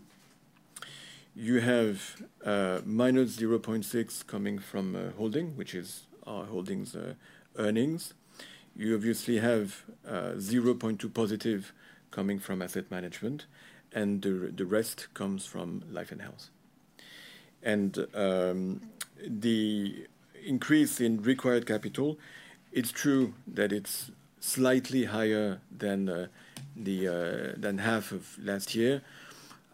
You have -0.6 billion coming from holding, which is our holdings earnings. You obviously have 0.2 billion positive coming from Asset Management, and the rest comes from Life and Health and the increase in required capital. It's true that it's slightly higher than half of last year.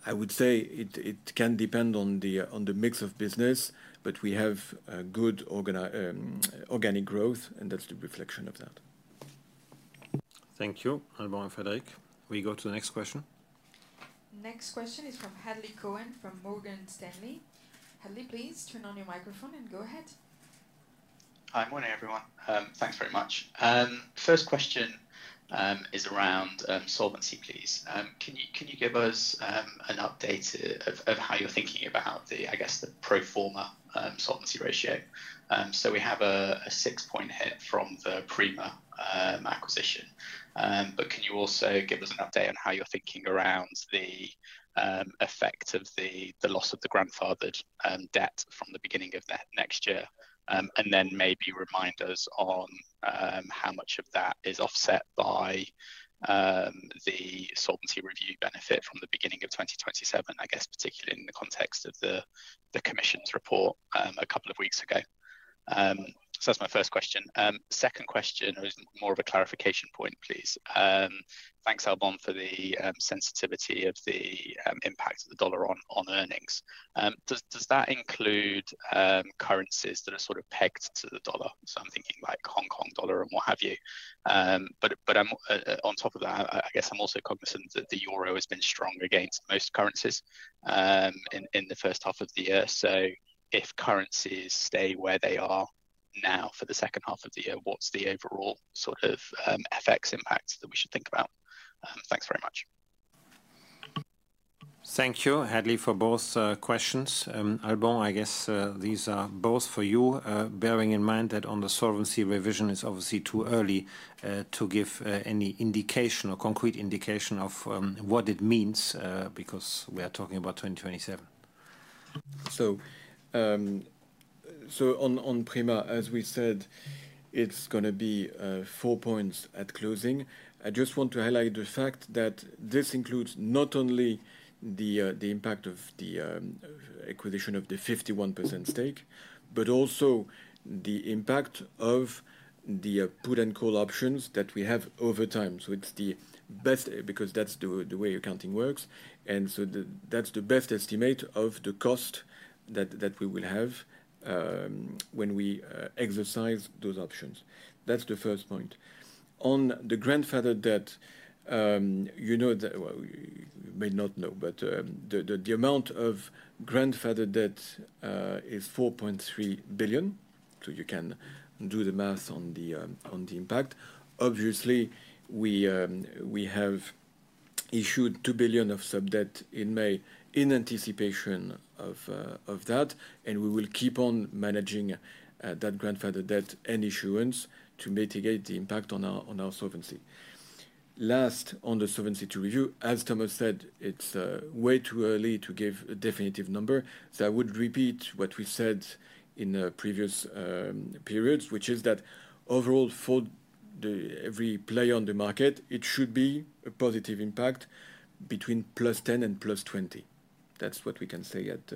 I would say it can depend on the mix of business, but we have good organic growth, and that's the reflection of that. Thank you Alban and Frédéric. We go to the next question. Next question is from Hadley Cohen from Morgan Stanley. Hadley, please turn on your microphone and go ahead. Hi, morning everyone. Thanks very much. First question is around Solvency. Please can you give us an update. Of how you're thinking about the I. Guess the Pro Forma Solvency ratio. We have a 6% hit from the Prima acquisition, but can you also give us an update on how you're thinking around the effect of the loss of the grandfathered debt from the beginning of next year, and then maybe remind us on how much of that is offset by the solvency review benefit from the beginning of 2027, particularly in the context of the Commission's report a couple of weeks ago. That's my first question. Second question is more of a clarification point please. Thanks Alban. For the sensitivity of the impact of the dollar on earnings, does that include currencies that are sort of pegged to the dollar? I'm thinking like Hong Kong dollar and what have you. On top of that I guess. I'm also cognizant that Euro has been strong. Against most currencies in the first half of the year, if currencies stay where they are. Now for the second half of the. Yeah, what's the overall sort of FX impact that we should think about? Thanks very much. Thank you, Hadley, for both questions. Alban, I guess these are both for you, bearing in mind that on the solvency revision, it is obviously too early to give any indication or concrete indication of what it means because we are talking about 2027. On Prima, as we said, it's going to be four points at closing. I just want to highlight the fact that this includes not only the impact of the acquisition of the 51% stake but also the impact of the put and call options that we have over time. It's the best because that's the way accounting works, and that's the best estimate of the cost that we will have when we exercise those options. That's the first point. On the grandfather debt, you may not know, but the amount of grandfather debt is 4.3 billion. You can do the math on the impact. Obviously, we have issued 2 billion of sub debt in May in anticipation of that, and we will keep on managing that grandfather debt and issuance to mitigate the impact on our solvency. Last, on the Solvency II review, as Thomas said, it's way too early to give a definitive number. I would repeat what we said in previous periods, which is that overall for every player on the market it should be a positive impact between +10% and +20%. That's what we can say at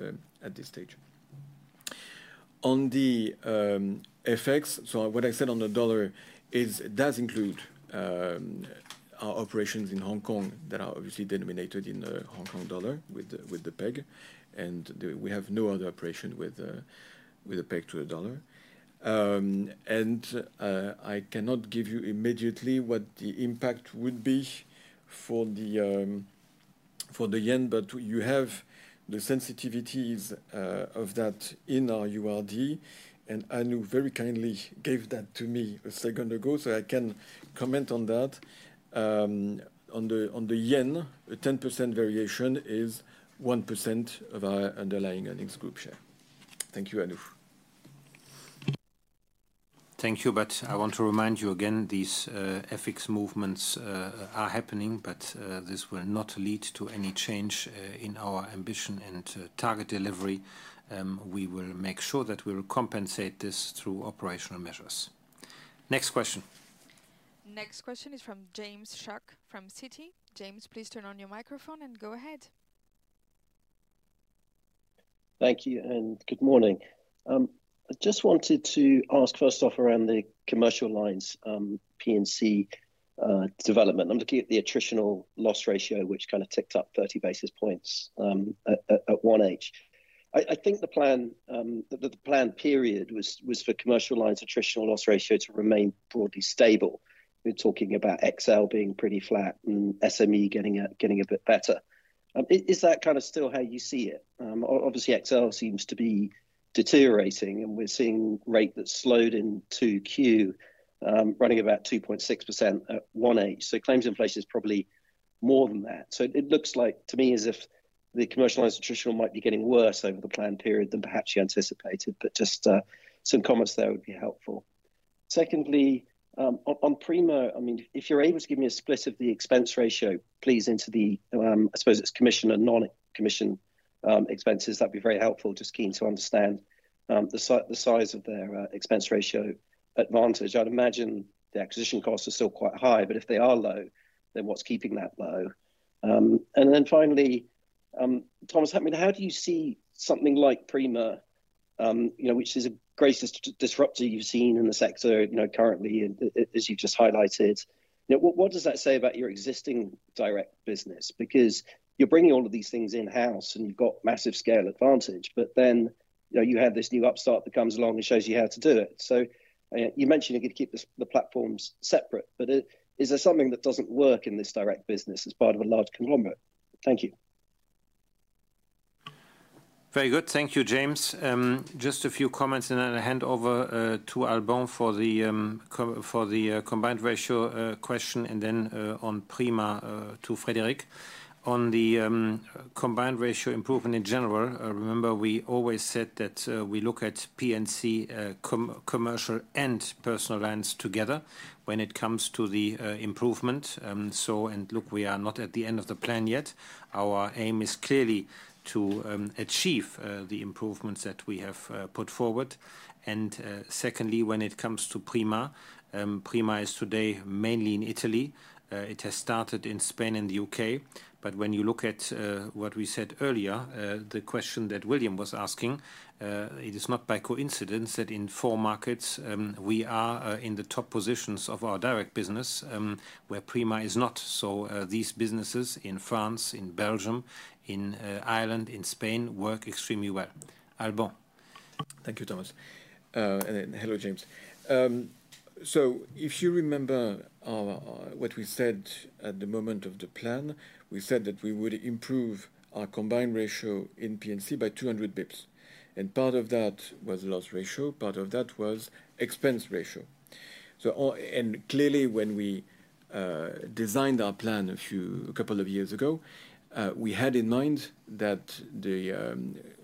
this stage on the FX. What I said on the dollar does include our operations in Hong Kong that are obviously denominated in the Hong Kong dollar with the peg, and we have no other operation with the peg to the dollar. I cannot give you immediately what the impact would be for the yen, but you have the sensitivities of that in our URD, and Anu very kindly gave that to me a second ago so I can comment on that. On the yen, a 10% variation is 1% of our underlying earnings group share. Thank you, Anu. Thank you. I want to remind you again these ethics movements are happening, but this will not lead to any change in our ambition and target delivery. We will make sure that we will compensate this through operational measures. Next question. Next question is from James Shuck from Citi. James, please turn on your microphone and go ahead. Thank you and good morning. I just wanted to ask first off, around the commercial lines, P&C development, I'm looking at the attritional loss ratio which kind of ticked up 30 basis points at 1H. I think the plan, the plan period was for commercial lines attritional loss ratio to remain broadly stable. We're talking about XL being pretty flat and SME getting a bit better. Is that kind of still how you see it? Obviously XL seems to be deteriorating and we're seeing rate that slowed in 2Q running about 2.6% at one point. Claims inflation is probably more than that. It looks like to me as if the commercial lines attritional might be getting worse over the planned period than perhaps you anticipated. Just some comments there would be helpful. Secondly, on Prima, I mean, if you're able to give me a split of the expense ratio, please, into the, I suppose it's commission and non-commission expenses, that'd be very helpful. Just keen to understand the size of their expense ratio advantage. I'd imagine the acquisition costs are still quite high, but if they are low, then what's keeping that low? Finally, Thomas, how do you see something like Prima, which is the greatest disruptor you've seen in the sector currently, as you just highlighted? What does that say about your existing direct business? Because you're bringing all of these things in house and you've got massive scale advantage, but then you have this new upstart that comes along and shows you how to do it. You mentioned you could keep the platforms separate, but is there something that doesn't work in this direct business as part of a large conglomerate? Thank you. Very good. Thank you, James. Just a few comments and then I hand over to Alban for the combined ratio question and then on Prima, to Frédéric on the combined ratio improvement in general. Remember we always said that we look at P&C commercial and personal lines together when it comes to the improvement. We are not at the end of the plan yet. Our aim is clearly to achieve the improvements that we have put forward. Secondly, when it comes to Prima, Prima is today mainly in Italy. It has started in Spain and the U.K. When you look at what we said earlier, the question that William was asking, it is not by coincidence that in four markets we are in the top positions of our direct business, where Prima is not. These businesses in France, in Belgium, in Ireland, in Spain work extremely well. Alban. Thank you, Thomas. Hello, James. If you remember what we said at the moment of the plan, we said that we would improve our combined ratio in P&C by 200 bps. Part of that was loss ratio, part of that was expense ratio. Clearly, when we designed our plan a couple of years ago, we had in mind that the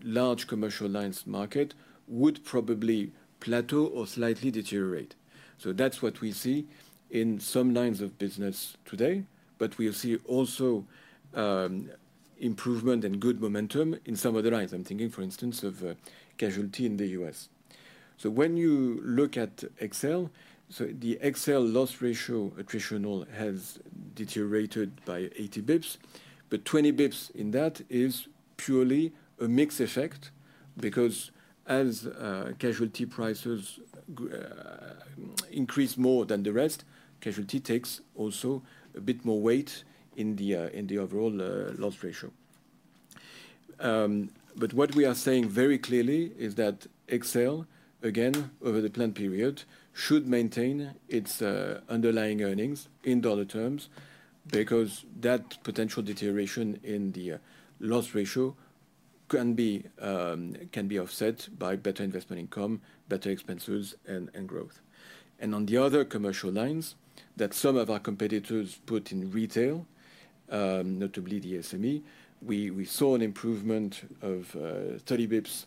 large commercial lines market would probably plateau or slightly deteriorate. That's what we see in some lines of business today. We see also improvement and good momentum in some of the lines. I'm thinking, for instance, of casualty in the U.S. When you look at XL, the XL loss ratio attritional has deteriorated by 80 bps, but 20 bps in that is purely a mix effect because as casualty prices increase more than the rest, casualty takes also a bit more weight in the overall loss ratio. What we are saying very clearly is that XL again over the planned period should maintain its underlying earnings in dollar terms because that potential deterioration in the loss ratio can be offset by better investment income, better expenses, and growth. On the other commercial lines that some of our competitors put in retail, notably the SME, we saw an improvement of steady bps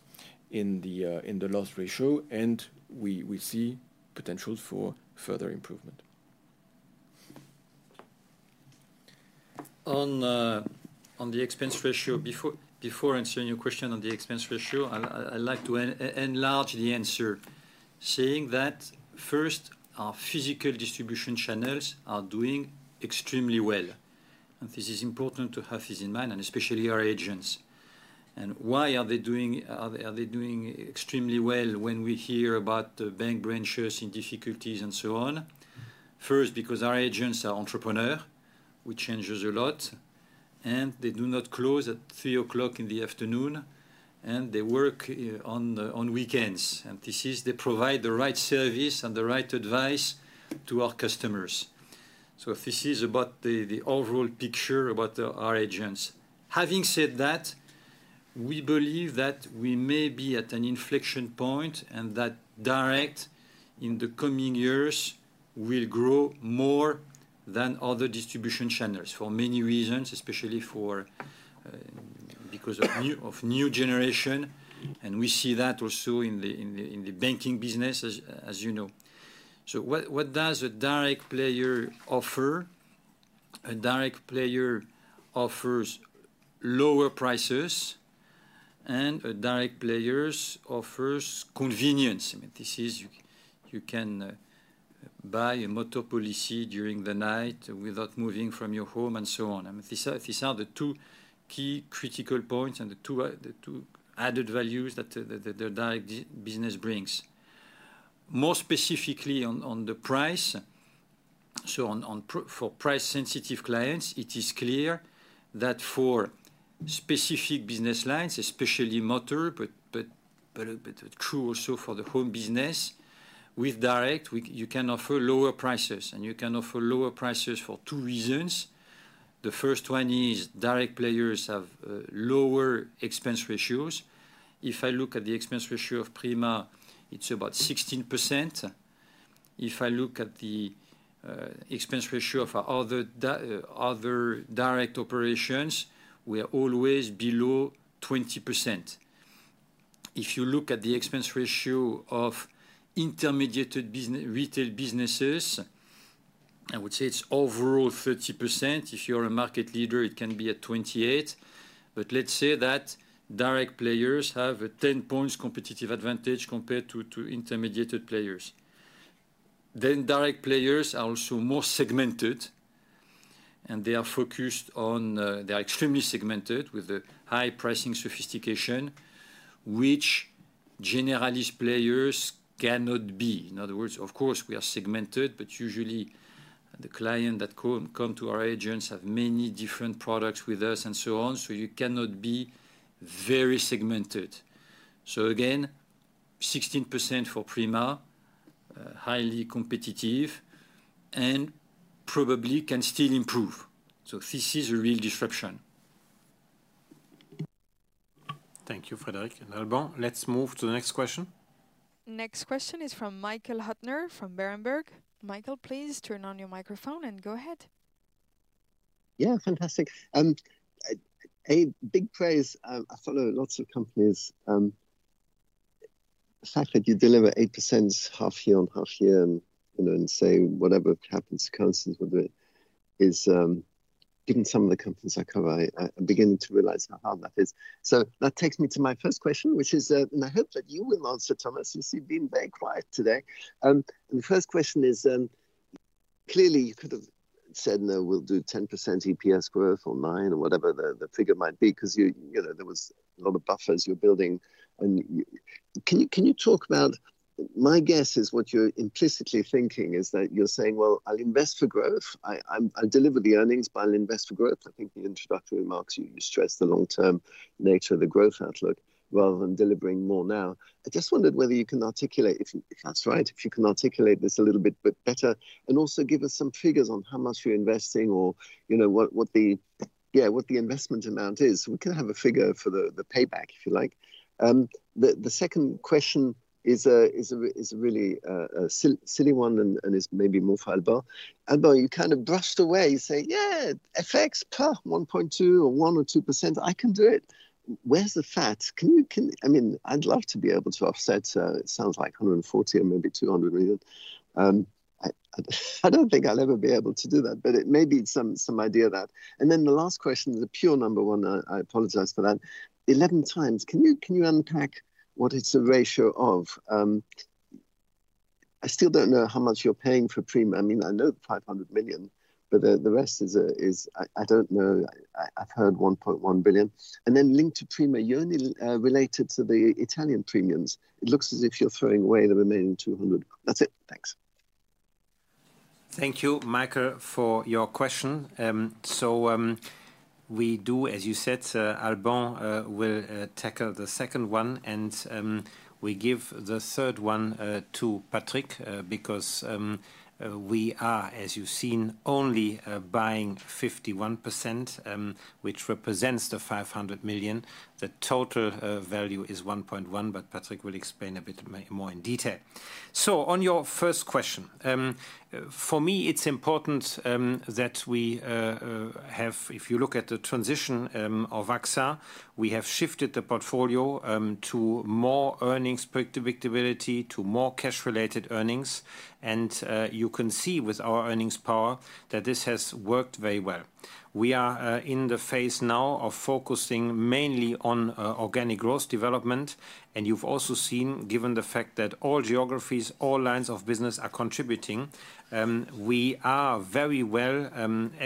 in the loss ratio and we see potential for further improvement. On the expense ratio. Before answering your question on the expense ratio, I'd like to enlarge the answer saying that first, our physical distribution channels are doing extremely well and this is important to have this in mind, especially our agents. Why are they doing extremely well when we hear about bank branches in difficulties and so on? First, because our agents are entrepreneurs, which changes a lot, and they do not close at 3:00 P.M. and they work on weekends. They provide the right service and the right advice to our customers. This is about the overall picture, about our agents. Having said that, we believe that we may be at an inflection point and that direct in the coming years will grow more than other distribution channels for many reasons, especially because of new generation. We see that also in the banking business, as you know. What does a direct player offer? A direct player offers lower prices and direct players offer convenience. You can buy a motor policy during the night without moving from your home and so on. These are the two key critical points and the two added values that the direct business brings, more specifically on the price. For price sensitive clients, it is clear that for specific business lines, especially Motor, but true also for the home business, with direct you can offer lower prices and you can offer lower prices for two reasons. The first one is direct players have lower expense ratios. If I look at the expense ratio of Prima, it's about 16%. If I look at the expense ratio of other direct operations, we are always below 20%. If you look at the expense ratio of intermediated retail businesses, I would say it's overall 30%. If you're a market leader, it can be at 28%. Let's say that direct players have a 10 points competitive advantage compared to intermediated players. Direct players are also more segmented and they are focused on. They are extremely segmented with the high pricing sophistication which generalist players cannot be. In other words, of course we are segmented, but usually the clients that come to our agents have many different products with us and so on, so you cannot be very segmented. Again, 16% for Prima, highly competitive and probably can still improve. This is a real disruption. Thank you, Frédéric and Alban. Let's move to the next question. Next question is from Michael Huttner from Berenberg. Michael, please turn on your microphone and go ahead. Yeah, fantastic. A big phrase. I follow lots of companies. The fact that you deliver 8% half year on half year and say whatever happens constant is, given some of the companies I cover, I'm beginning to realize how hard that is. That takes me to my first question, which is, and I hope that you will answer, Thomas, you seem very quiet today. The first question is clearly you could have said no, we'll do 10% EPS growth or 9% or whatever the figure might be because there was a lot of buffers you're building. Can you talk about, my guess is what you're implicitly thinking is that you're saying, I'll invest for growth. I deliver the earnings, but I'll invest for growth. I think the introductory remarks, you stress the long-term nature of the growth outlook rather than delivering more. I just wondered whether you can articulate if that's right, if you can articulate this a little bit better and also give us some figures on how much you're investing or what the, yeah, what the investment amount is. We can have a figure for the payback if you like. The second question is a really silly one and is maybe more for Alban. You kind of brushed away, you say yeah, FX 1.2% or 1% or 2%. I can do it. Where's the fat? Can you, I mean, I'd love to be able to offset it. Sounds like 140 million or maybe 200 million. I don't think I'll ever be able to do that, but it may be some idea that. The last question is a pure number one. I apologize for that. Eleven times, can you unpack what it's a ratio of? I still don't know how much you're paying for premium. I mean, I know 500 million, but the rest is, I don't know. I've heard 1.1 billion and then linked to Prima. You're only related to the Italian premiums. It looks as if you're throwing away the remaining 200 million. That's it. Thanks. Thank you, Michael, for your question. We do as you said. Alban will tackle the second one, and we give the third one to Patrick because we are, as you've seen, only buying 51%, which represents 500 million. The total value is 1.1 billion, but Patrick will explain a bit more in detail. On your first question, for me it's important that we have, if you look at the transition of AXA, we have shifted the portfolio to more earnings predictability, to more cash-related earnings. You can see with our earnings power that this has worked very well. We are in the phase now of focusing mainly on organic growth development. You've also seen, given the fact that all geographies, all lines of business are contributing, we are very well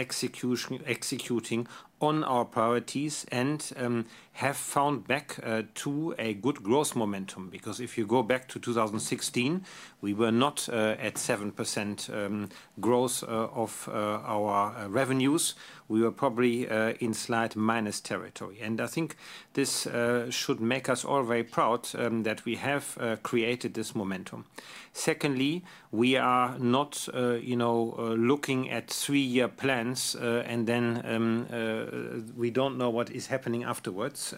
executing on our priorities and have found back to a good growth momentum. If you go back to 2016, we were not at 7% growth of our revenues. We were probably in slight minus territory, and I think this should make us all very proud that we have created this momentum. Secondly, we are not looking at three-year plans and then we don't know what is happening afterwards.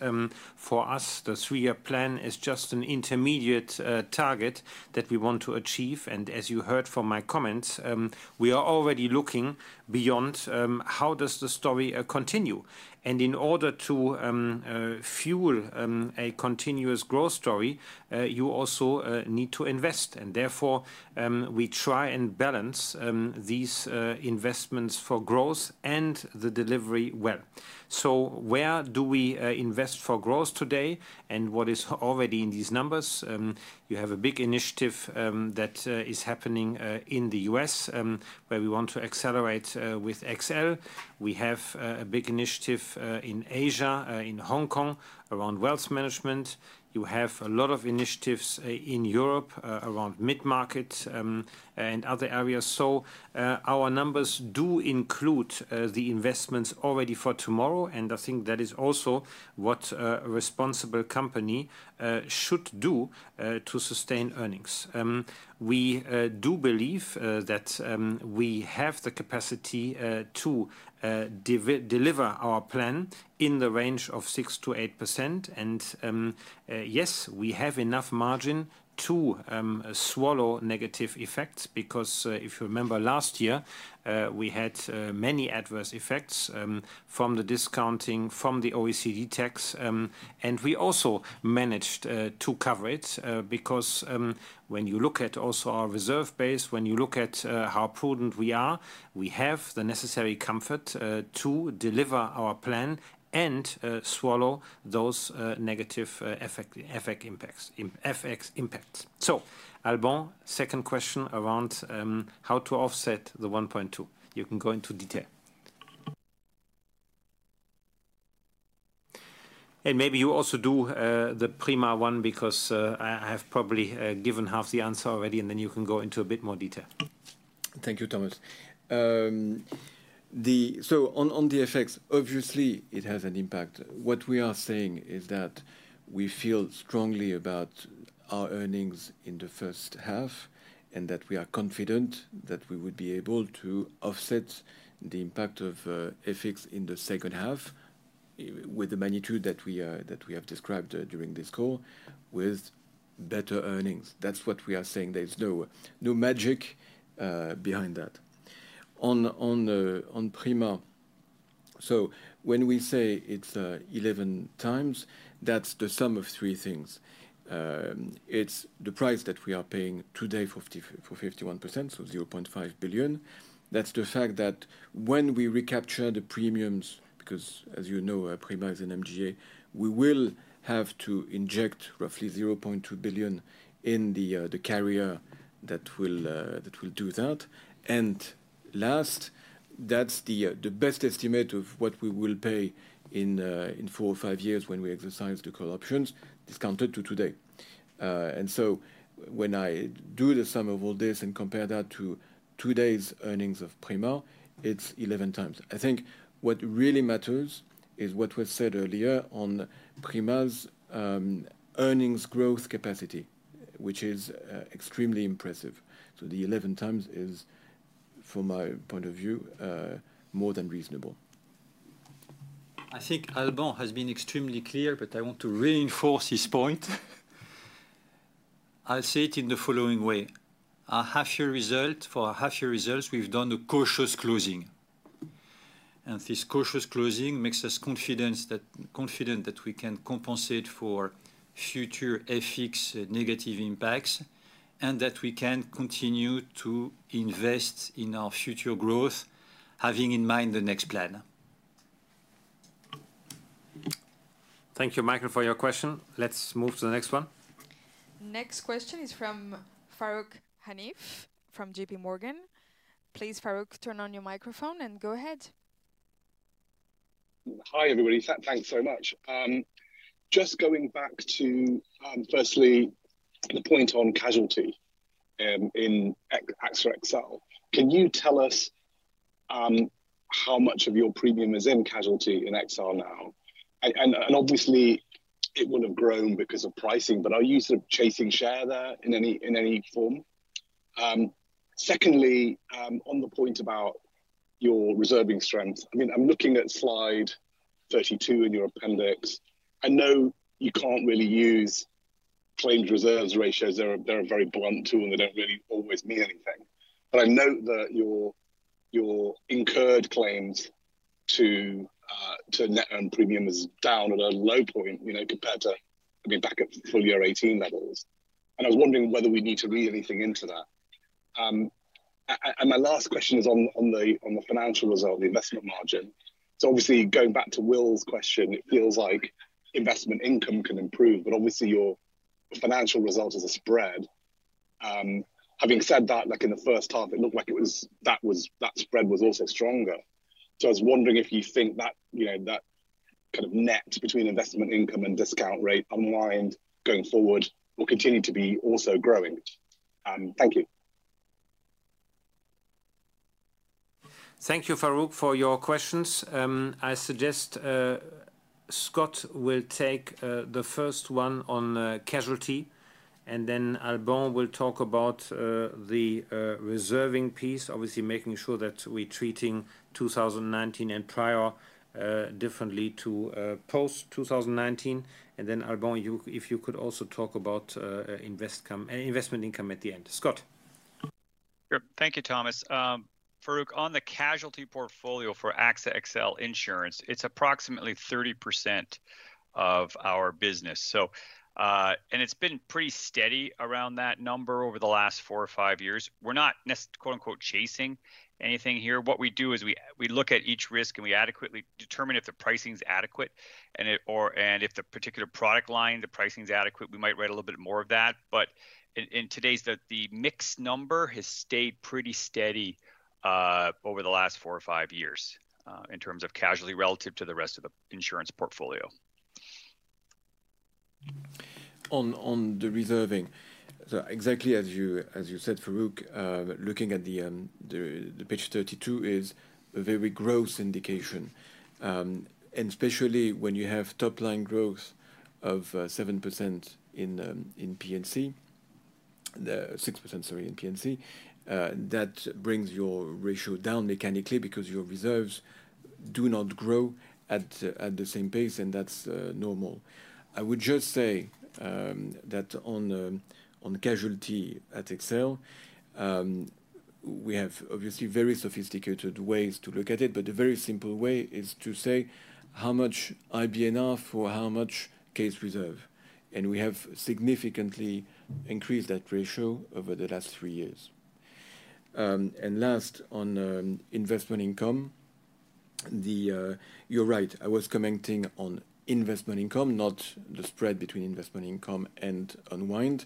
For us, the three-year plan is just an intermediate target that we want to achieve. As you heard from my comments, we are already looking beyond—how does the story continue? In order to fuel a continuous growth story, you also need to invest, and therefore we try and balance these investments for growth and the delivery well. Where do we invest for growth today, and what is already in these numbers? You have a big initiative that is happening in the U.S. where we want to accelerate with XL. We have a big initiative in Asia, in Hong Kong, around wealth management. You have a lot of initiatives in Europe, around mid-market and other areas. Our numbers do include the investments already for tomorrow, and I think that is also what a responsible company should do to sustain earnings. We do believe that we have the capacity to deliver our plan in the range of 6%-8%. Yes, we have enough margin to swallow negative effects because if you remember last year, we had many adverse effects from the discounting, from the OECD tax, and we also managed to cover it. When you look at also our reserve base, when you look at how prudent we are, we have the necessary comfort to deliver our plan and swallow those negative FX impacts. Alban, second question around how to offset the 1.2 billion, you can go into. Detail. Maybe you also do the Prima one because I have probably given half the answer already, and then you can go into a bit more detail. Thank you, Thomas. On the effects, obviously it has an impact. What we are saying is that we feel strongly about our earnings in the first half and that we are confident that we would be able to offset the impact of FX in the second half with the magnitude that we have described during this call with better earnings. That's what we are saying. There is no magic behind that. On Prima, when we say it's 11 times, that's the sum of three things. It's the price that we are paying today for 51%, so 0.5 billion. That's the fact that when we recapture the premiums, because as you know Prima is an MGA, we will have to inject roughly 0.2 billion in the carrier. That will do that. Last, that's the best estimate of what we will pay in four or five years when we exercise the call options, discounted to today. When I do the sum of all this and compare that to today's earnings of Prima, it's 11 times. I think what really matters is what was said earlier on Prima's earnings growth capacity, which is extremely impressive. The 11 times is from my point of view more than reasonable. I think Alban has been extremely clear, but I want to reinforce his point. I'll say it in the following way: a half year result for a half year results. We've done the cautious closing, and this cautious closing makes us confident that we can compensate for future FX negative impacts and that we can continue to invest in our future growth, having in mind the next plan. Thank you, Michael, for your question. Let's move to the next one. Next question is from Farooq Hanif from JPMorgan. Please. Farooq, turn on your microphone and go ahead. Hi everybody, thanks so much. Just going back to firstly the point on casualty in AXA XL. Can you tell us how much of your premium is in casualty in XL now? Obviously it will have grown because of pricing. Are you sort of chasing share there in any form? Secondly, on the point about your reserving strengths, I'm looking at slide 32 in your appendix. I know you can't really use claims reserves ratios. They're a very blunt tool and they don't really always mean anything. I note that your incurred claims to net earned premium is down at a low point compared to, I mean back at full year 2018 levels. I was wondering whether we need to read anything into that. My last question is on the financial result, the investment margin. Obviously going back to Will's question, it feels like investment income can improve but obviously your financial result is a spread. Having said that, in the first half it looked like that spread was also stronger. I was wondering if you think that kind of net between investment income and discount rate unwind going forward will continue to be also growing. Thank you. Thank you, Farooq, for your questions. I suggest Scott will take the first one on casualty, and then Alban will talk about the reserving piece, obviously making sure that we are treating 2019 and prior differently to post 2019. Then, Alban, if you could also talk about investment income at the end. Scott. Thank you, Thomas, on the casualty portfolio for AXA XL insurance, it's approximately 30% of our business, and it's been pretty steady around that number over the last four or five years. We're not, quote unquote, chasing anything here. What we do is we look at each risk and we determine if the pricing is adequate, and if the particular product line pricing is adequate, we might write a little bit more of that. In today's, the mix number has stayed pretty steady over the last four or five years in terms of casualty relative to the rest of the insurance portfolio. On the reserving. Exactly as you said, Farooq, looking at page 32 is a very gross indication, and especially when you have top-line growth of 7% in P&C, 6% sorry, in P&C, that brings your ratio down mechanically because your reserves do not grow at the same pace, and that's normal. I would just say that on casualty at XL, we have obviously very sophisticated ways to look at it, but a very simple way is to say how much IBNR for how much case reserve, and we have significantly increased that ratio over the last three years. Last, on investment income, you're right, I was commenting on investment income, not the spread between investment income and unwind.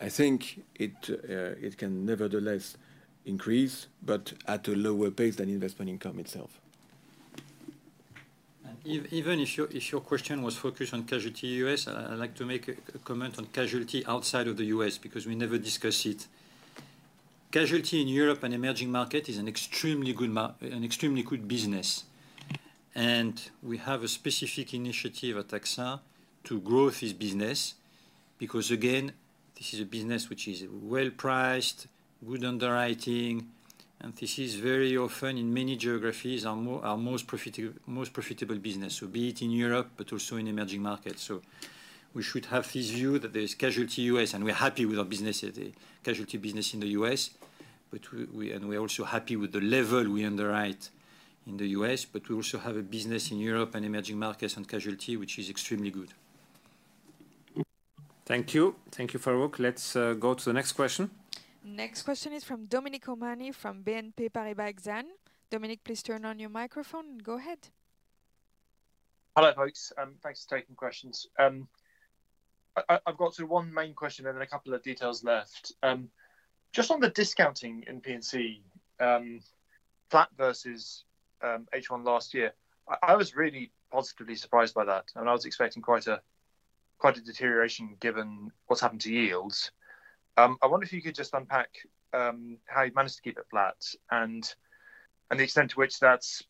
I think it can nevertheless increase, but at a lower pace than investment income itself. Even if your question was focused on casualty U.S., I'd like to make a comment on casualty outside of the U.S. because we never discuss it. Casualty in Europe and emerging markets is an extremely good, an extremely good business, and we have a specific initiative at AXA to grow this business because again this is a business which is well priced, good underwriting, and this is very often in many geographies our most profitable business, be it in Europe but also in emerging markets. We should have this view that there is casualty U.S., and we are happy with our casualty business in the U.S., and we're also happy with the level we underwrite in the U.S., but we also have a business in Europe and emerging markets and casualty which is extremely good. Thank you. Thank you, Farooq. Let's go to the next question. Next question is from Dominic O'Mahony from BNP Paribas Exane. Dominic, please turn on your microphone and go ahead. Hello folks, thanks for taking questions. I've got one main question and then a couple of details left. Just on the discounting in P&C flat versus H1 last year, I was really positively surprised by that and I was expecting quite a, quite a deterioration given what's happened to yields. I wonder if you could just unpack how you've managed to keep it flat and the extent to which that's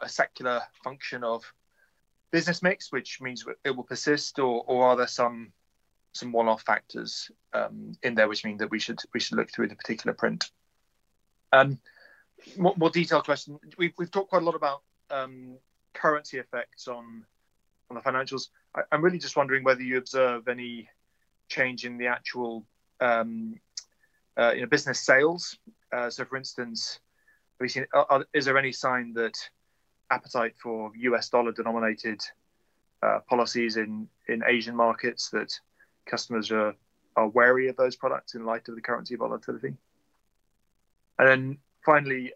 a secular function of business mix which means it will persist or are there some one-off factors in there which mean that we should look through the particular print. More detailed question. We've talked quite a lot about currency effects on the financials. I'm really just wondering whether you observe any change in the actual business sales. For instance, is there any sign that appetite for U.S. dollar denominated policies in Asian markets, that customers are wary of those products in light of the currency volatility? Finally,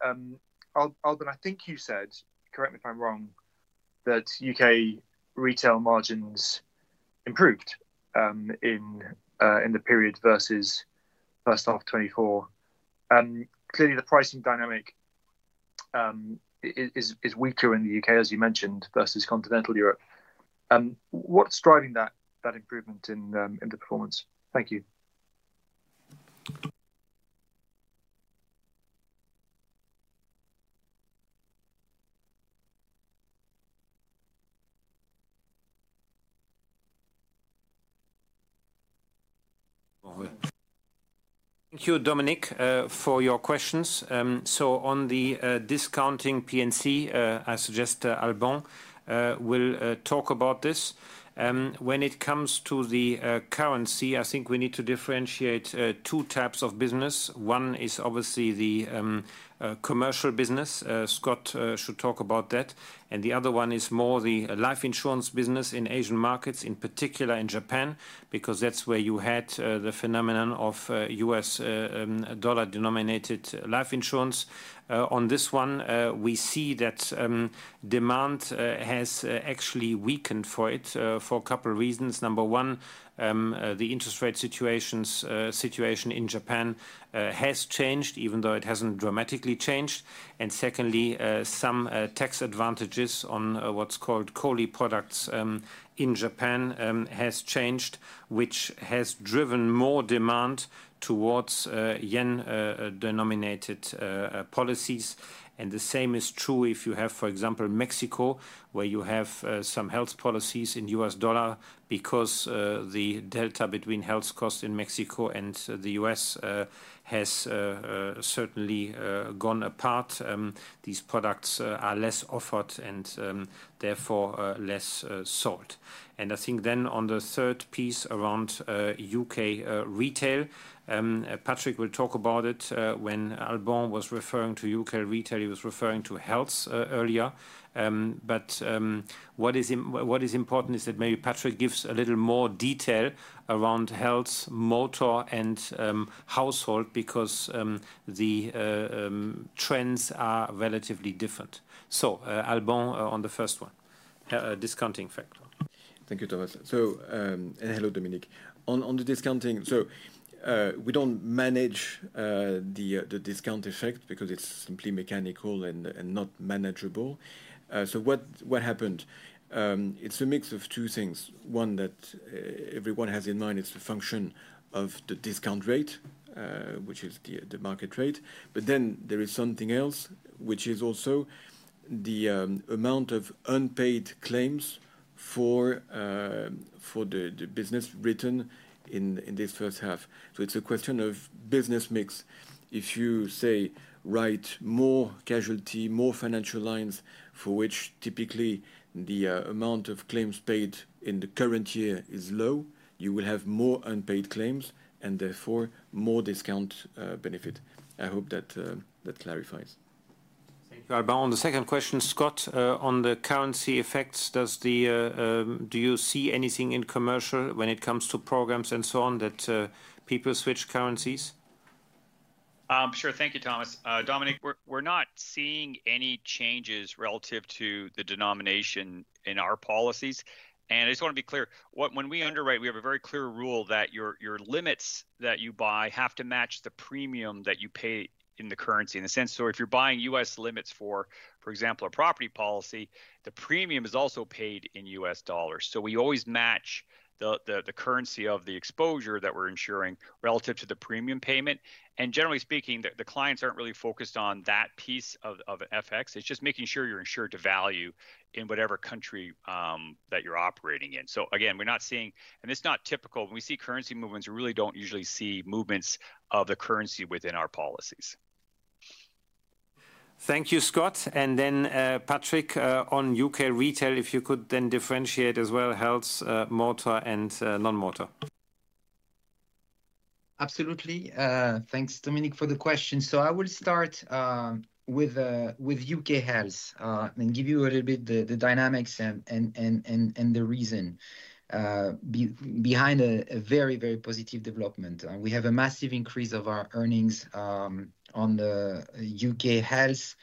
Alban, I think you said, correct me if I'm wrong, that U.K. retail margins improved in the period versus first half 2024. Clearly the pricing dynamic is weaker in the U.K. as you mentioned, versus continental Europe. What's driving that improvement in the performance? Thank you. Thank you, Dominic, for your questions. On the discounting P&C, I suggest Alban will talk about this. When it comes to the currency, I think we need to differentiate two types of business. One is obviously the commercial business; Scott should talk about that. The other one is more the Life Insurance business in Asian markets, in particular in Japan, because that's where you had the phenomenon of U.S. dollar denominated Life Insurance. On this one, we see that demand has actually weakened for it for a couple of reasons. Number one, the interest rate situation in Japan has changed, even though it hasn't dramatically changed. Secondly, some tax advantages on what's called KOLI products in Japan have changed, which has driven more demand towards yen denominated policies. The same is true if you have, for example, Mexico, where you have some health policies in U.S. dollar because the delta between health costs in Mexico and the U.S. has certainly gone apart. These products are less offered and therefore less sold. On the third piece around U.K. retail, Patrick will talk about it. When Alban was referring to U.K. retail, he was referring to health earlier. What is important is that maybe Patrick gives a little more detail around health, motor, and household because the trends are relatively different. Alban, on the first one, discounting factor. Thank you, Thomas. Hello Dominic. On the discounting, we don't manage the discount effect because it's simply mechanical and not manageable. What happened is a mix of two things. One that everyone has in mind, it's a function of the discount rate, which is the market rate. There is something else, which is also the amount of unpaid claims for the business written in this first half. It's a question of business mix. If you write more casualty, more financial lines for which typically the amount of claims paid in the current year is low, you will have more unpaid claims and therefore more discount benefit. I hope that clarifies. On the second question, Scott, on the currency effects, do you see anything in commercial when it comes to programs and so on that people switch currencies? Sure. Thank you, Thomas. Dominic, we're not seeing any changes relative to the denomination in our policies, and I just want to be clear when we underwrite, we have a very clear rule that your limits that you buy have to match the premium that you pay in the currency in the sense. If you're buying U.S. limits, for example a property policy, the premium is also paid in U.S. dollars. We always match the currency of the exposure that we're insuring relative to the premium payment. Generally speaking, the clients aren't really focused on that piece of FX. It's just making sure you're insured to value in whatever country that you're operating in. We're not seeing, and it's not typical when we see currency movements, we really don't usually see movements of the currency within our policies. Thank you, Scott. Patrick, on U.K. retail, if you could then differentiate as well health, Motor, and non-Motor. Absolutely. Thanks Dominic for the question. I will start with U.K. health and give you a little bit the dynamics and the reason behind a very, very positive development. We have a massive increase of our earnings on the U.K. health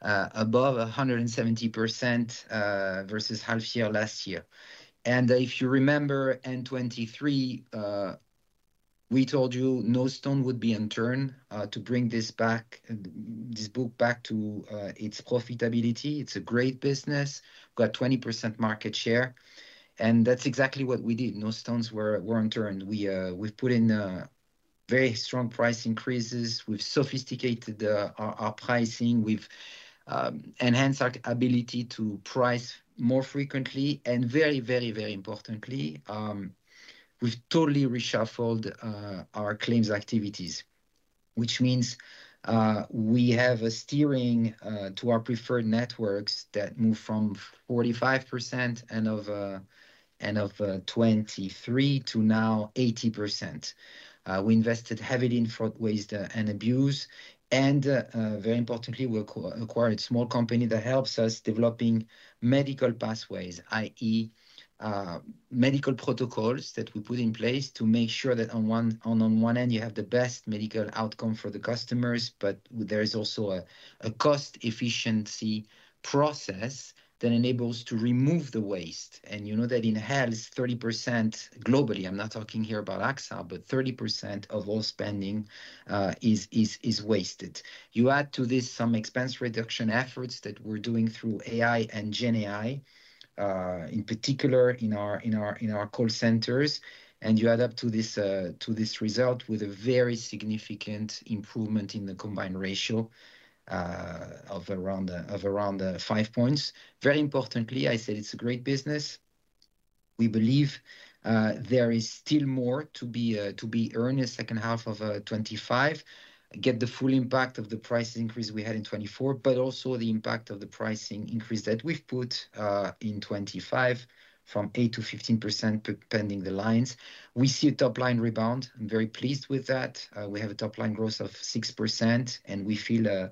above 170% versus year. If you remember, in 2023 we told you no stone would be unturned to bring this book back to its profitability. It's a great business, got 20% market share and that's exactly what we did. No stones were unturned. We've put in very strong price increases, we've sophisticated our pricing, we've enhanced our ability to price more frequently. Very, very, very importantly, we've totally reshuffled our claims activities, which means we have a steering to our preferred networks that moved from 45% end of 2023 to now 80%. We invested heavily in fraud, waste and abuse. Very importantly, we acquired a small company that helps us developing medical pathways, that is medical protocols that we put in place to make sure that on one end you have the best medical outcome for the customers. There is also a cost efficiency process that enables to remove the waste. You know that in health, 30% globally, I'm not talking here about AXA, but 30% of all spending is wasted. You add to this some expense reduction efforts that we're doing through AI and GenAI, in particular in our call centers, and you add up to this result with a very significant improvement in the combined ratio of around 5 points. I said it's a great business. We believe there is still more to be earned in second half of 2025, get the full impact of the price increase we had in 2024, but also the impact of the pricing increase that we've put in 2025 from 8%-15% pending the lines. We see a top line rebound. I'm very pleased with that. We have a top line growth of 6% and we feel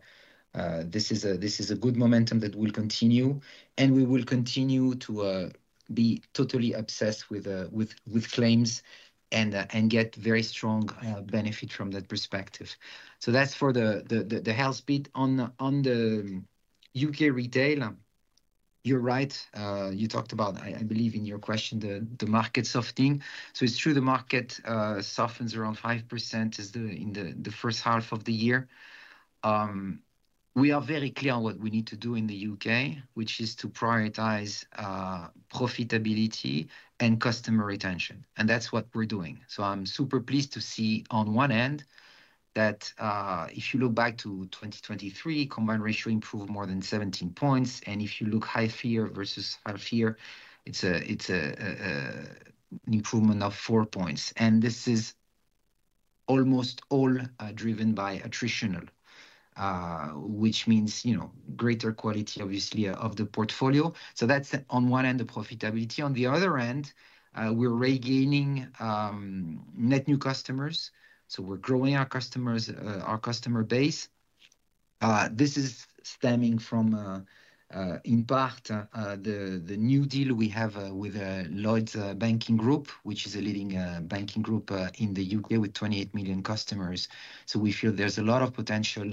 this is a good momentum that will continue and we will continue to be totally obsessed with claims and get very strong benefit from that perspective. That's for the health bit. On the U.K. retail, you're right. You talked about, I believe in your question, the market softening. It's true the market softens around 5% in the first half of the year. We are very clear on what we need to do in the U.K. which is to prioritize profitability and customer retention. That's what we're doing. I'm super pleased to see on one end that if you look back to 2023, combined ratio improved more than 17 points. If you look half year versus half year, it's an improvement of 4 points. This is almost all driven by attritional, which means greater quality obviously of the portfolio. That's on one end the profitability; on the other end we're regaining net new customers. We're growing our customer base. This is stemming from in part the new deal we have with Lloyds Banking Group, which is a leading banking group in the U.K. with 28 million customers. We feel there's a lot of potential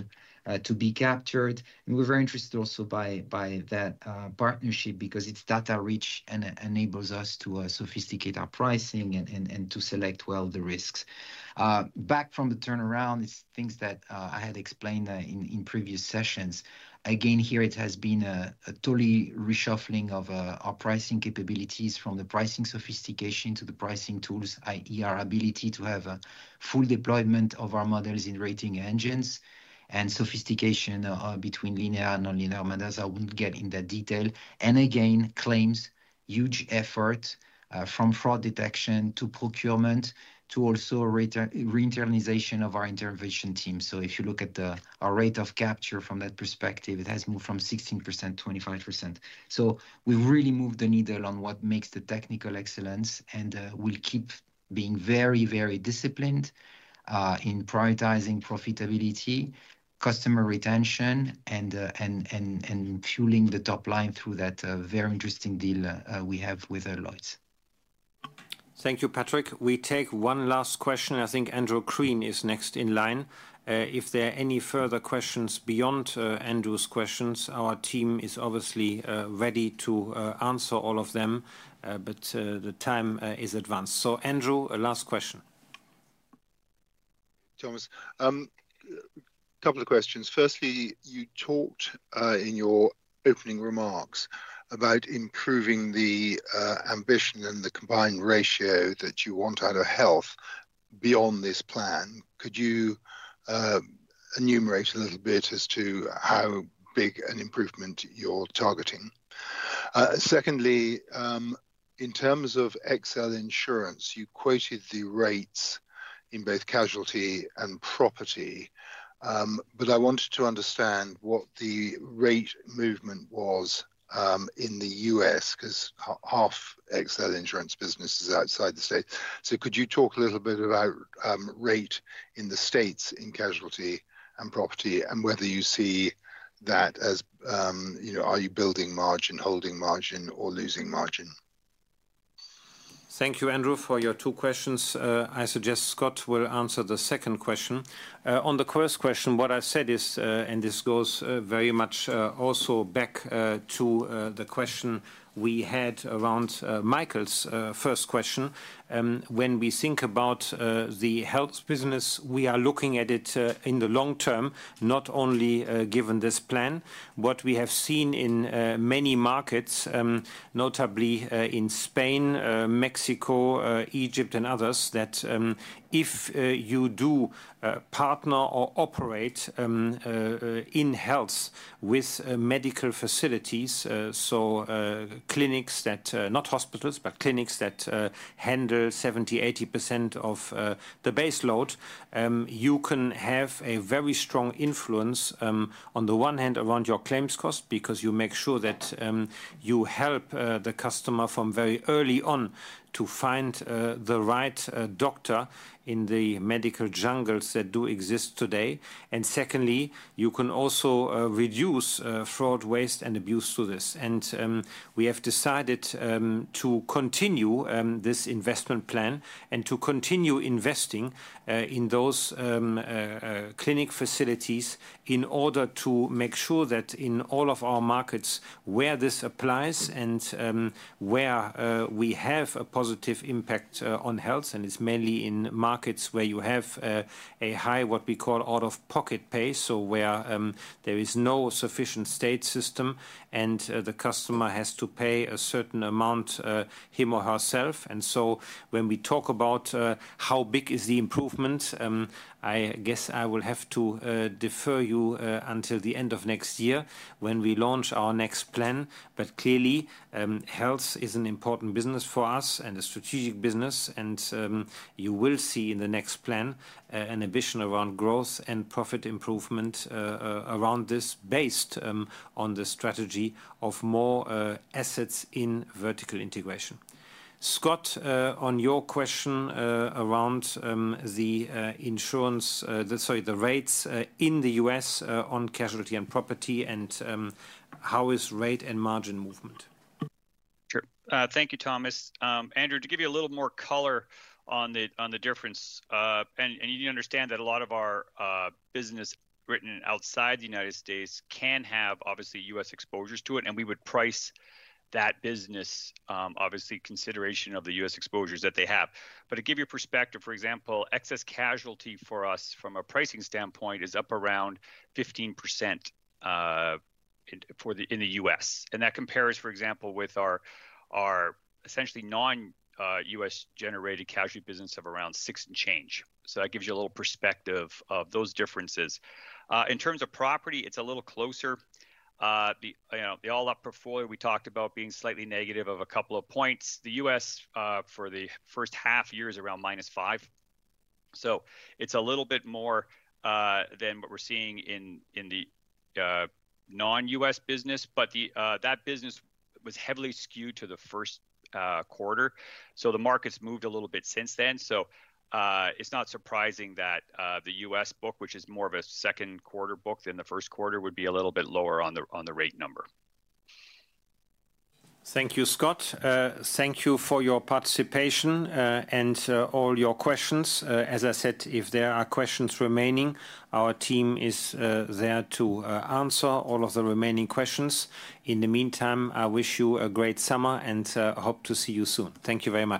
to be captured and we're very interested also by that partnership because it's data rich and enables us to sophisticate our pricing and to select well the risks back from the turnaround. It's things that I had explained in previous sessions. Here it has been a totally reshuffling of our pricing capabilities from the pricing sophistication to the pricing tools, that is our ability to have full deployment of our models in rating engines and sophistication between linear and nonlinear. Madison, I wouldn't get in that detail. Claims, huge effort from fraud detection to procurement to also re-internalization of our intervention team. If you look at the rate of capture from that perspective, it has moved from 16%-25%. We really move the needle on what makes the technical excellence and we'll keep being very, very disciplined in prioritizing profitability, customer retention, and fueling the top line through that very interesting deal we have with Lloyds. Thank you, Patrick. We take one last question. I think Andrew Crean is next in line. If there are any further questions beyond Andrew's questions, our team is obviously ready to answer all of them, but the time is advanced. Andrew, last question. Thomas, couple of questions. Firstly, you talked in your opening remarks about improving the ambition and the combined ratio that you want out of health beyond this plan. Could you enumerate a little bit as to how big an improvement you're targeting? Secondly, in terms of XL insurance, you quoted the rates in both casualty and property, but I wanted to understand what the rate movement was in the U.S. because half XL insurance business is outside the state. Could you talk a little bit about rate in the states in casualty and property and whether you see that as, you know, are you building margin, holding margin, or losing margin? Thank you, Andrew, for your two questions. I suggest Scott will answer the second question. On the first question, what I said is, and this goes very much also back to the question we had around Michael's first question. When we think about the health business, we are looking at it in the long term, not only given this plan. What we have seen in many markets, notably in Spain, Mexico, Egypt, and others, is that if you do partner or operate in health with medical facilities, so clinics—not hospitals, but clinics that handle 70%, 80% of the base load—you can have a very strong influence on the one hand around your claims cost because you make sure that you help the customer from very early on to find the right doctor in the medical jungles that do exist today. You can also reduce fraud, waste, and abuse through this. We have decided to continue this investment plan and to continue investing in those clinic facilities in order to make sure that in all of our markets where this applies and where we have a positive impact on health, and it's mainly in markets where you have a high, what we call out-of-pocket pay, where there is no sufficient state system and the customer has to pay a certain amount, him or herself. When we talk about how big is the improvement, I guess I will have to defer you until the end of next year when we launch our next plan. Clearly, health is an important business for us and a strategic business. You will see in the next plan an ambition around growth and profit improvement around this based on the strategy of more assets in vertical integration. Scott, on your question around the insurance, sorry, the rates in the U.S. on casualty and property and how is rate and margin movement. Sure. Thank you, Thomas. Andrew, to give you a little more color on the difference, you understand that a lot of our business written outside the U.S. can have obviously U.S. exposures to it, and we would price that business obviously in consideration of the U.S. exposures that they have. To give you perspective, for example, excess casualty for us from a pricing standpoint is up around 15% in the U.S., and that compares, for example, with our essentially non-U.S. generated casualty business of around 6% and change. That gives you a little perspective of those differences. In terms of property, it's a little closer. The all-up portfolio we talked about being slightly negative of a couple of points. The U.S. for the first half year is around -5%. It's a little bit more than what we're seeing in the non-U.S. business. That business was heavily skewed to the first quarter. The market's moved a little bit since then. It's not surprising that the U.S. book, which is more of a second quarter book than the first quarter, would be a little bit lower on the rate number. Thank you, Scott. Thank you for your participation and all your questions. As I said, if there are questions remaining, our team is there to answer all of the remaining questions. In the meantime, I wish you a great summer and hope to see you soon. Thank you very much.